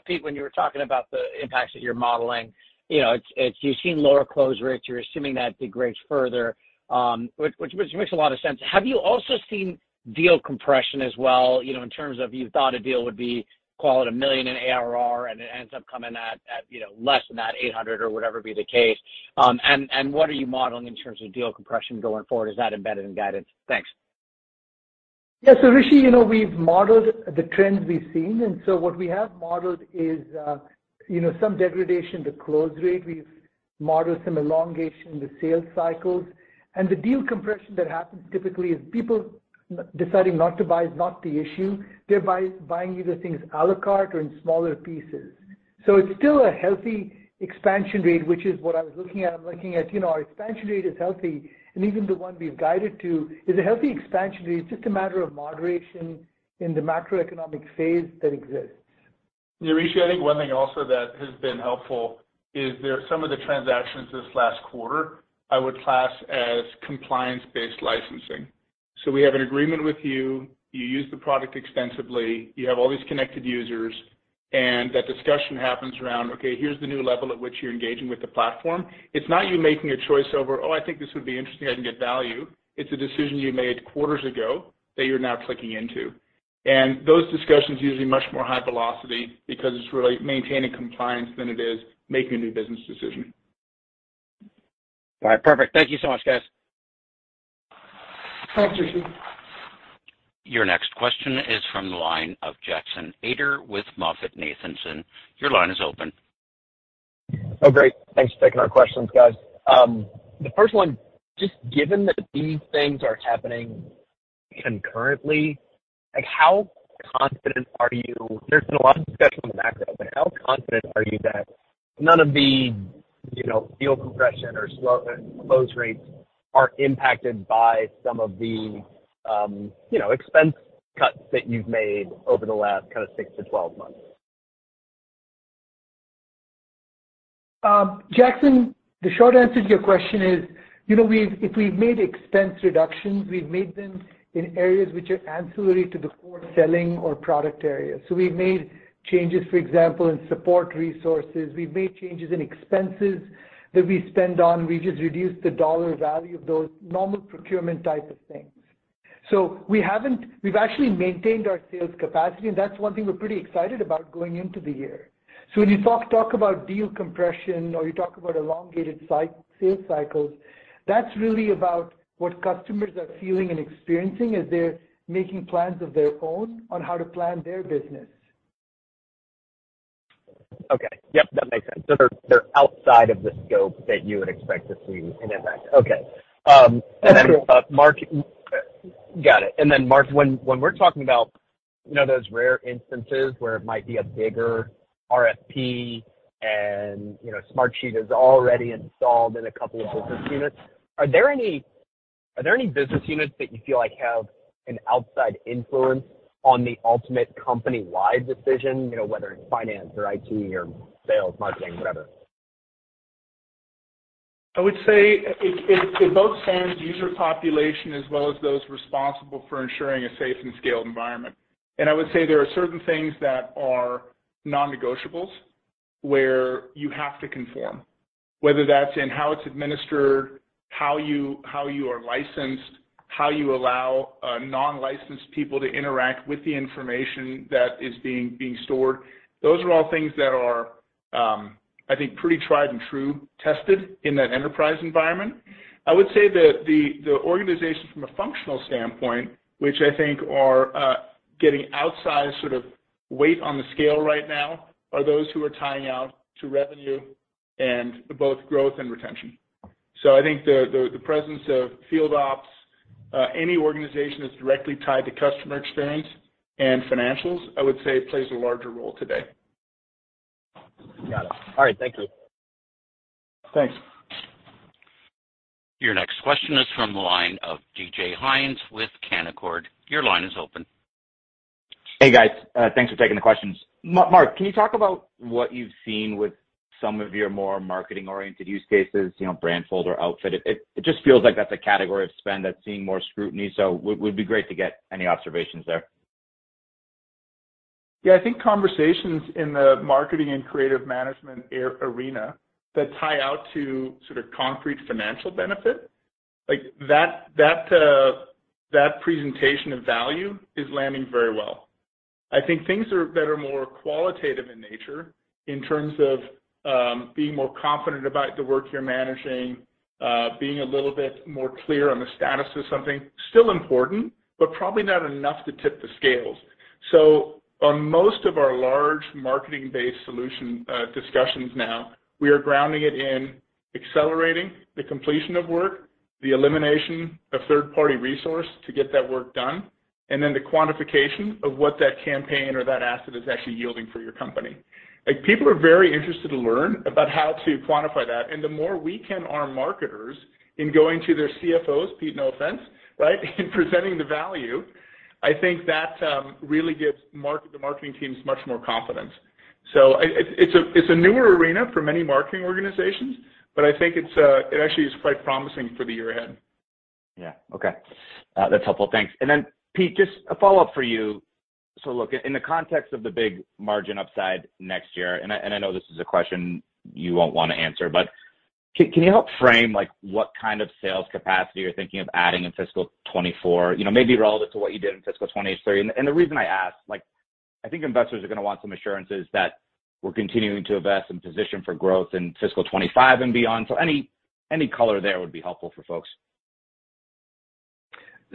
Pete, when you were talking about the impacts that you're modeling, you know, it's you've seen lower close rates. You're assuming that degrades further, which makes a lot of sense. Have you also seen deal compression as well, you know, in terms of you thought a deal would be, call it $1 million in ARR, and it ends up coming at, you know, less than that, $800 or whatever be the case? What are you modeling in terms of deal compression going forward? Is that embedded in guidance? Thanks. Yeah. Rishi, you know, we've modeled the trends we've seen. What we have modeled is, you know, some degradation, the close rate. We've modeled some elongation in the sales cycles. The deal compression that happens typically is people deciding not to buy is not the issue. They're buying either things à la carte or in smaller pieces. It's still a healthy expansion rate, which is what I was looking at. I'm looking at, you know, our expansion rate is healthy, and even the one we've guided to is a healthy expansion rate. It's just a matter of moderation in the macroeconomic phase that exists. Yeah, Rishi, I think one thing also that has been helpful is there are some of the transactions this last quarter I would class as compliance-based licensing. We have an agreement with you use the product extensively, you have all these Connected Users, and that discussion happens around, okay, here's the new level at which you're engaging with the platform. It's not you making a choice over, oh, I think this would be interesting, I can get value. It's a decision you made quarters ago that you're now clicking into. Those discussions are usually much more high velocity because it's really maintaining compliance than it is making a new business decision. All right. Perfect. Thank you so much, guys. Thanks, Rishi. Your next question is from the line of Jackson Ader with MoffettNathanson. Your line is open. Great. Thanks for taking our questions, guys. The first one, just given that these things are happening concurrently, like, there's been a lot of discussion on the macro, but how confident are you that none of the, you know, deal compression or slow close rates are impacted by some of the, you know, expense cuts that you've made over the last kind of 6 to 12 months? Jackson, the short answer to your question is. You know, we've if we've made expense reductions, we've made them in areas which are ancillary to the core selling or product area. We've made changes, for example, in support resources, we've made changes in expenses that we spend on. We just reduced the dollar value of those normal procurement type of things. We've actually maintained our sales capacity, and that's one thing we're pretty excited about going into the year. When you talk about deal compression or you talk about elongated sales cycles, that's really about what customers are feeling and experiencing as they're making plans of their own on how to plan their business. Yep, that makes sense. They're, they're outside of the scope that you would expect to see an impact. Got it. Mark, when we're talking about, you know, those rare instances where it might be a bigger RFP and, you know, Smartsheet is already installed in a couple of business units, are there any business units that you feel like have an outside influence on the ultimate company-wide decision, you know, whether it's finance or IT or sales, marketing, whatever? I would say it both spans user population as well as those responsible for ensuring a safe and scaled environment. I would say there are certain things that are non-negotiables where you have to conform, whether that's in how it's administered, how you are licensed, how you allow non-licensed people to interact with the information that is being stored. Those are all things that are, I think pretty tried and true tested in that enterprise environment. I would say that the organizations from a functional standpoint, which I think are getting outsized sort of weight on the scale right now, are those who are tying out to revenue and both growth and retention. I think the presence of field ops, any organization that's directly tied to customer experience and financials, I would say plays a larger role today. Got it. All right, thank you. Thanks. Your next question is from the line of DJ Hynes with Canaccord. Your line is open. Hey, guys. Thanks for taking the questions. Mark, can you talk about what you've seen with some of your more marketing-oriented use cases, you know, Brandfolder Outfit? It just feels like that's a category of spend that's seeing more scrutiny. Would be great to get any observations there. Yeah. I think conversations in the marketing and creative management arena that tie out to sort of concrete financial benefit, like that presentation of value is landing very well. I think things are better more qualitative in nature in terms of being more confident about the work you're managing, being a little bit more clear on the status of something, still important, but probably not enough to tip the scales. On most of our large marketing-based solution discussions now, we are grounding it in accelerating the completion of work, the elimination of third-party resource to get that work done, and then the quantification of what that campaign or that asset is actually yielding for your company. Like, people are very interested to learn about how to quantify that, and the more we can arm marketers in going to their CFOs, Pete, no offense, right, in presenting the value, I think that really gives the marketing teams much more confidence. It's a, it's a newer arena for many marketing organizations, but I think it's it actually is quite promising for the year ahead. Yeah. Okay. That's helpful. Thanks. Then Pete, just a follow-up for you. Look, in the context of the big margin upside next year, and I, and I know this is a question you won't wanna answer, but can you help frame, like, what kind of sales capacity you're thinking of adding in fiscal 2024? You know, maybe relative to what you did in fiscal 2023. The reason I ask, like, I think investors are gonna want some assurances that we're continuing to invest in position for growth in fiscal 2025 and beyond. Any color there would be helpful for folks.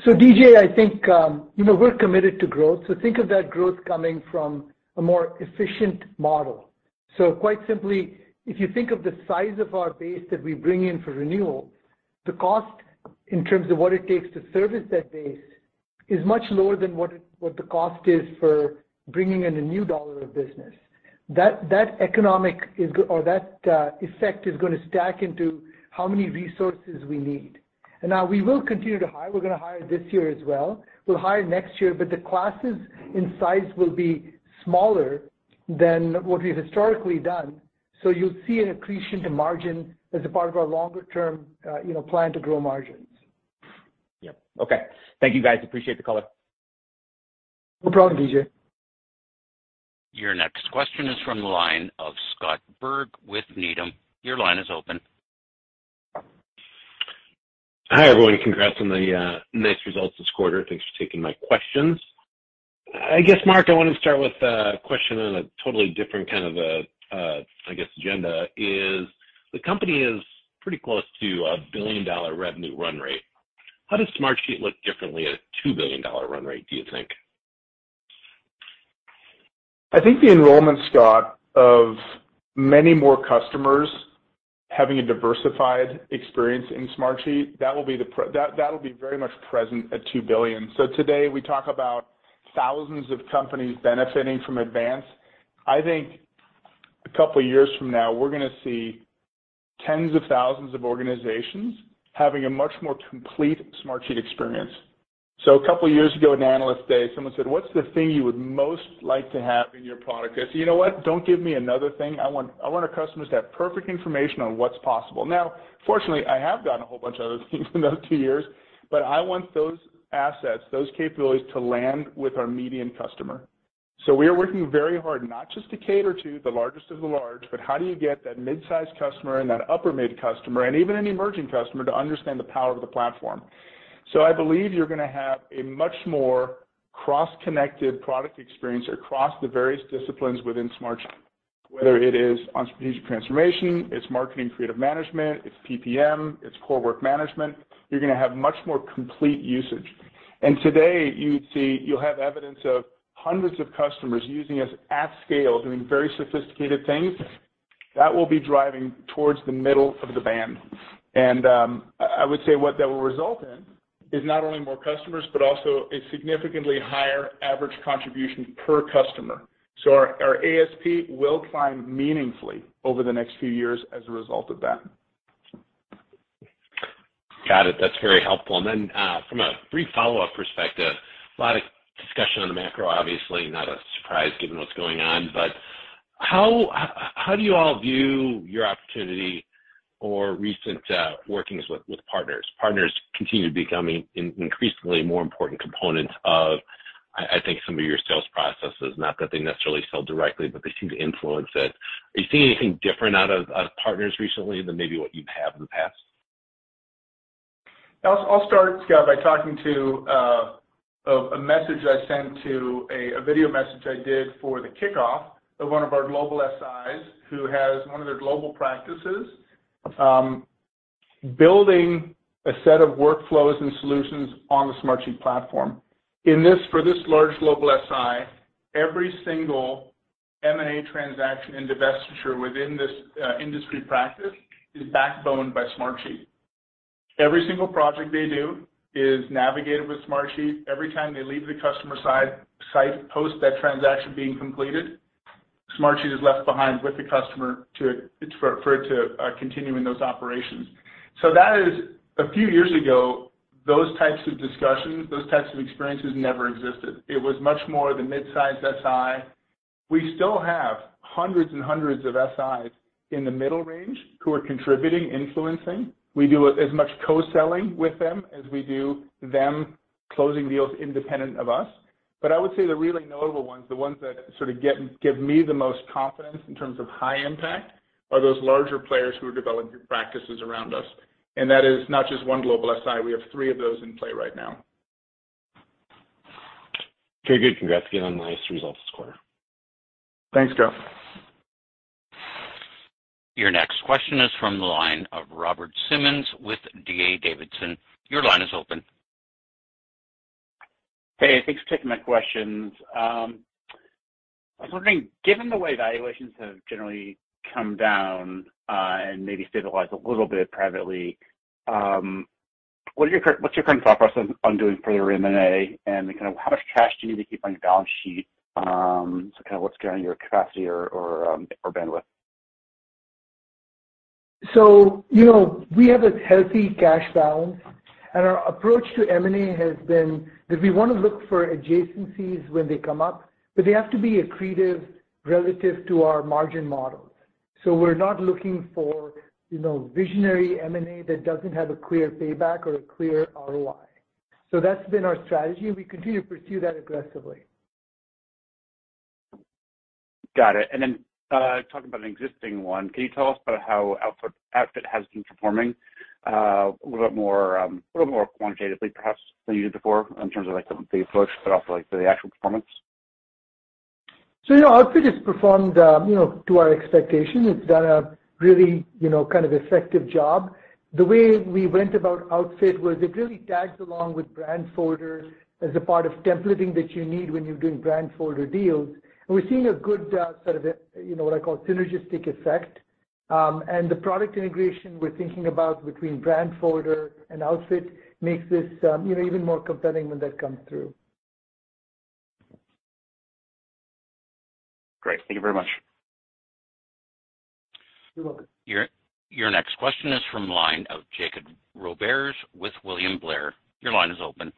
DJ, I think, you know, we're committed to growth, so think of that growth coming from a more efficient model. Quite simply, if you think of the size of our base that we bring in for renewal, the cost in terms of what it takes to service that base is much lower than what the cost is for bringing in a new dollar of business. That effect is gonna stack into how many resources we need. Now we will continue to hire. We're gonna hire this year as well. We'll hire next year, but the classes in size will be smaller than what we've historically done. You'll see an accretion to margin as a part of our longer term, you know, plan to grow margins. Yep. Okay. Thank you, guys. Appreciate the color. No problem, DJ. Your next question is from the line of Scott Berg with Needham. Your line is open. Hi, everyone. Congrats on the nice results this quarter. Thanks for taking my questions. I guess, Mark, I wanna start with a question on a totally different kind of a, I guess agenda, is the company is pretty close to a billion-dollar revenue run rate. How does Smartsheet look differently at a $2 billion run rate, do you think? I think the enrollment, Scott, of many more customers having a diversified experience in Smartsheet, that will be that'll be very much present at $2 billion. Today, we talk about thousands of companies benefiting from Advance. I think a couple of years from now, we're gonna see tens of thousands of organizations having a much more complete Smartsheet experience. A couple years ago at an analyst day, someone said, "What's the thing you would most like to have in your product?" I said, "You know what? Don't give me another thing. I want our customers to have perfect information on what's possible." Fortunately, I have gotten a whole bunch of other things in those two years, but I want those assets, those capabilities to land with our median customer. We are working very hard not just to cater to the largest of the large, but how do you get that mid-sized customer and that upper mid customer and even an emerging customer to understand the power of the platform. I believe you're gonna have a much more cross-connected product experience across the various disciplines within Smartsheet, whether it is strategic transformation, it's marketing creative management, it's PPM, it's core work management. You're gonna have much more complete usage. Today, you'll have evidence of hundreds of customers using us at scale, doing very sophisticated things that will be driving towards the middle of the band. I would say what that will result in is not only more customers, but also a significantly higher average contribution per customer. Our ASP will climb meaningfully over the next few years as a result of that. Got it. That's very helpful. Then, from a brief follow-up perspective, a lot of discussion on the macro, obviously, not a surprise given what's going on. How do you all view your opportunity or recent workings with partners? Partners continue becoming increasingly more important components of, I think some of your sales processes. Not that they necessarily sell directly, but they seem to influence it. Are you seeing anything different out of partners recently than maybe what you have in the past? I'll start, Scott, by talking to a message I sent to a video message I did for the kickoff of one of our global SIs who has one of their global practices building a set of workflows and solutions on the Smartsheet platform. For this large global SI, every single M&A transaction and divestiture within this industry practice is backbone by Smartsheet. Every single project they do is navigated with Smartsheet. Every time they leave the customer site, post that transaction being completed, Smartsheet is left behind with the customer to for it to continue in those operations. That is. A few years ago, those types of discussions, those types of experiences never existed. It was much more the midsize SI. We still have hundreds and hundreds of SIs in the middle range who are contributing, influencing. We do as much co-selling with them as we do them closing deals independent of us. I would say the really notable ones, the ones that sort of give me the most confidence in terms of high impact, are those larger players who are developing practices around us. That is not just one global SI. We have three of those in play right now. Very good. Congrats again on nice results this quarter. Thanks, Scott. Your next question is from the line of Robert Simmons with D.A. Davidson. Your line is open. Hey, thanks for taking my questions. I was wondering, given the way valuations have generally come down, and maybe stabilized a little bit privately, what's your current thought process on doing further M&A and kind of how much cash do you need to keep on your balance sheet, to kind of what's kind of your capacity or bandwidth? you know, we have a healthy cash balance, and our approach to M&A has been that we wanna look for adjacencies when they come up, but they have to be accretive relative to our margin models. We're not looking for, you know, visionary M&A that doesn't have a clear payback or a clear ROI. That's been our strategy, and we continue to pursue that aggressively. Got it. Talking about an existing one, can you tell us about how Outfit has been performing, a little bit more, a little more quantitatively perhaps than you did before in terms of, like, the approach, but also, like, the actual performance? You know, Outfit has performed, you know, to our expectations. It's done a really, you know, kind of effective job. The way we went about Outfit was it really tags along with Brandfolder as a part of templating that you need when you're doing Brandfolder deals. We're seeing a good, sort of, you know, what I call synergistic effect. The product integration we're thinking about between Brandfolder and Outfit makes this, you know, even more compelling when that comes through. Great. Thank you very much. You're welcome. Your next question is from the line of Jacob Roberts with William Blair. Your line is open.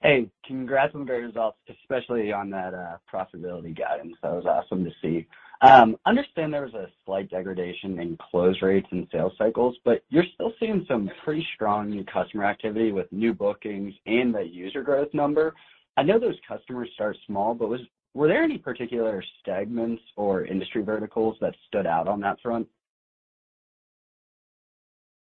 Hey. Congrats on the great results, especially on that profitability guidance. That was awesome to see. Understand there was a slight degradation in close rates and sales cycles, you're still seeing some pretty strong new customer activity with new bookings and the user growth number. I know those customers start small, but were there any particular segments or industry verticals that stood out on that front?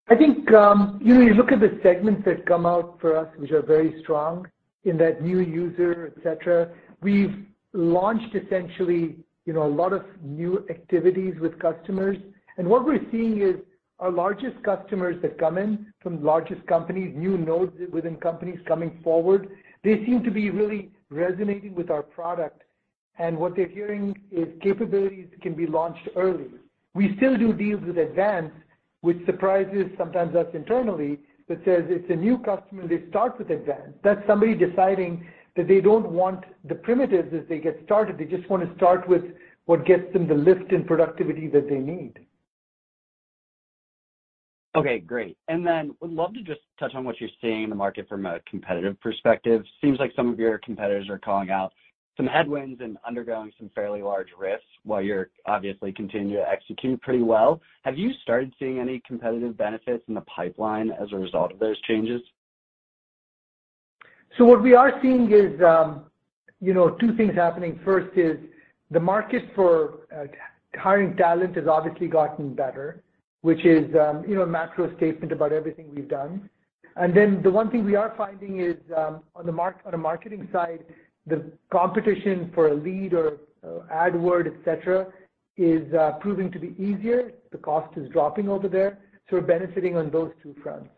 I think, you know, you look at the segments that come out for us, which are very strong in that new user, et cetera. We've launched essentially, you know, a lot of new activities with customers. What we're seeing is our largest customers that come in from the largest companies, new nodes within companies coming forward, they seem to be really resonating with our product. What they're hearing is capabilities can be launched early. We still do deals with Advance, which surprises sometimes us internally, that says it's a new customer, they start with Advance. That's somebody deciding that they don't want the primitives as they get started. They just wanna start with what gets them the lift in productivity that they need. Okay, great. Would love to just touch on what you're seeing in the market from a competitive perspective. Seems like some of your competitors are calling out some headwinds and undergoing some fairly large risks while you're obviously continuing to execute pretty well. Have you started seeing any competitive benefits in the pipeline as a result of those changes? What we are seeing is, you know, two things happening. First is the market for hiring talent has obviously gotten better, which is, you know, a macro statement about everything we've done. The one thing we are finding is on the marketing side, the competition for a lead or AdWords, et cetera, is proving to be easier. The cost is dropping over there. We're benefiting on those two fronts.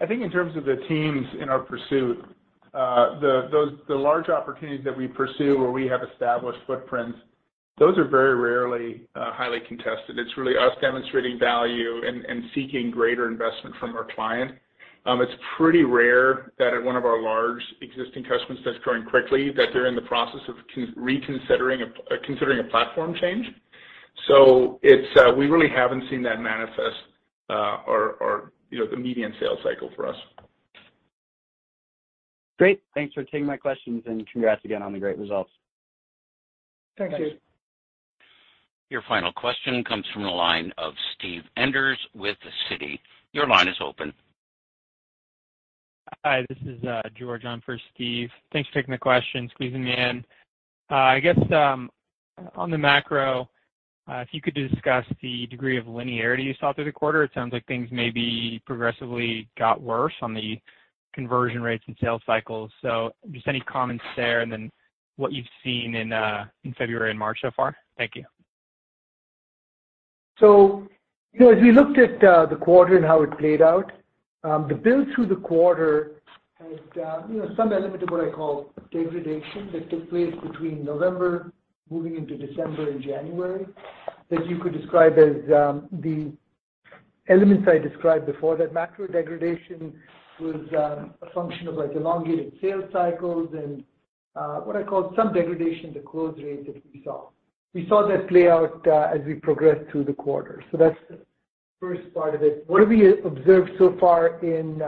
I think in terms of the teams in our pursuit, the large opportunities that we pursue where we have established footprints, those are very rarely highly contested. It's really us demonstrating value and seeking greater investment from our client. It's pretty rare that at one of our large existing customers that's growing quickly, that they're in the process of considering a platform change. It's, we really haven't seen that manifest or, you know, the median sales cycle for us. Great. Thanks for taking my questions, and congrats again on the great results. Thanks. Thanks. Your final question comes from the line of Steve Enders with Citi. Your line is open. Hi, this is George on for Steve. Thanks for taking the question, squeezing me in. I guess on the macro, if you could just discuss the degree of linearity you saw through the quarter. It sounds like things maybe progressively got worse on the conversion rates and sales cycles. Just any comments there, and then what you've seen in February and March so far? Thank you. You know, as we looked at the quarter and how it played out, the build through the quarter had, you know, some element of what I call degradation that took place between November moving into December and January that you could describe as the elements I described before. That macro degradation was a function of, like, elongated sales cycles and what I call some degradation, the close rate that we saw. We saw that play out as we progressed through the quarter. That's the first part of it. What have we observed so far in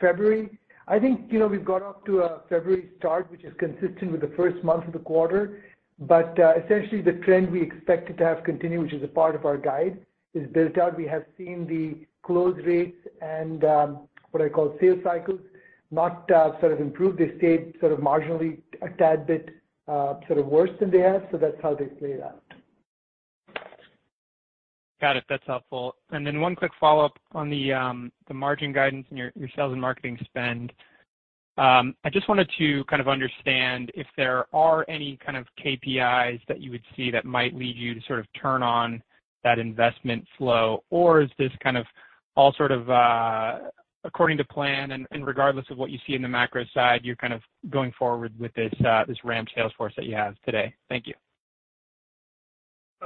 February? I think, you know, we've got off to a February start, which is consistent with the first month of the quarter. Essentially the trend we expected to have continue, which is a part of our guide, is built out. We have seen the close rates and what I call sales cycles, not sort of improve. They stayed sort of marginally a tad bit sort of worse than they have. That's how they play out. Got it. That's helpful. One quick follow-up on the margin guidance and your sales and marketing spend. I just wanted to kind of understand if there are any kind of KPIs that you would see that might lead you to sort of turn on that investment flow. Is this kind of all sort of, according to plan and regardless of what you see in the macro side, you're kind of going forward with this ramp sales force that you have today? Thank you.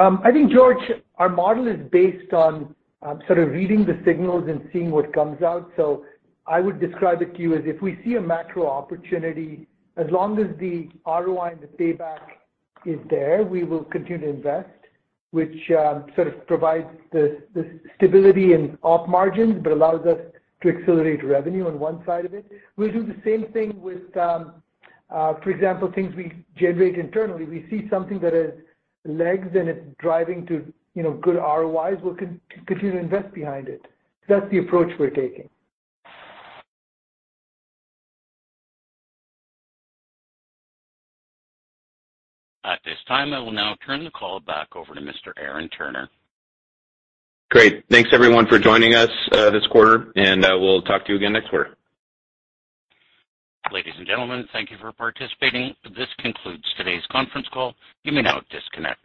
I think, George, our model is based on sort of reading the signals and seeing what comes out. I would describe it to you as if we see a macro opportunity, as long as the ROI and the payback is there, we will continue to invest, which sort of provides the stability and off margins, but allows us to accelerate revenue on one side of it. We do the same thing with, for example, things we generate internally. We see something that has legs and it's driving to, you know, good ROIs, we'll continue to invest behind it. That's the approach we're taking. At this time, I will now turn the call back over to Mr. Aaron Turner. Great. Thanks everyone for joining us, this quarter, and, we'll talk to you again next quarter. Ladies and gentlemen, thank you for participating. This concludes today's conference call. You may now disconnect.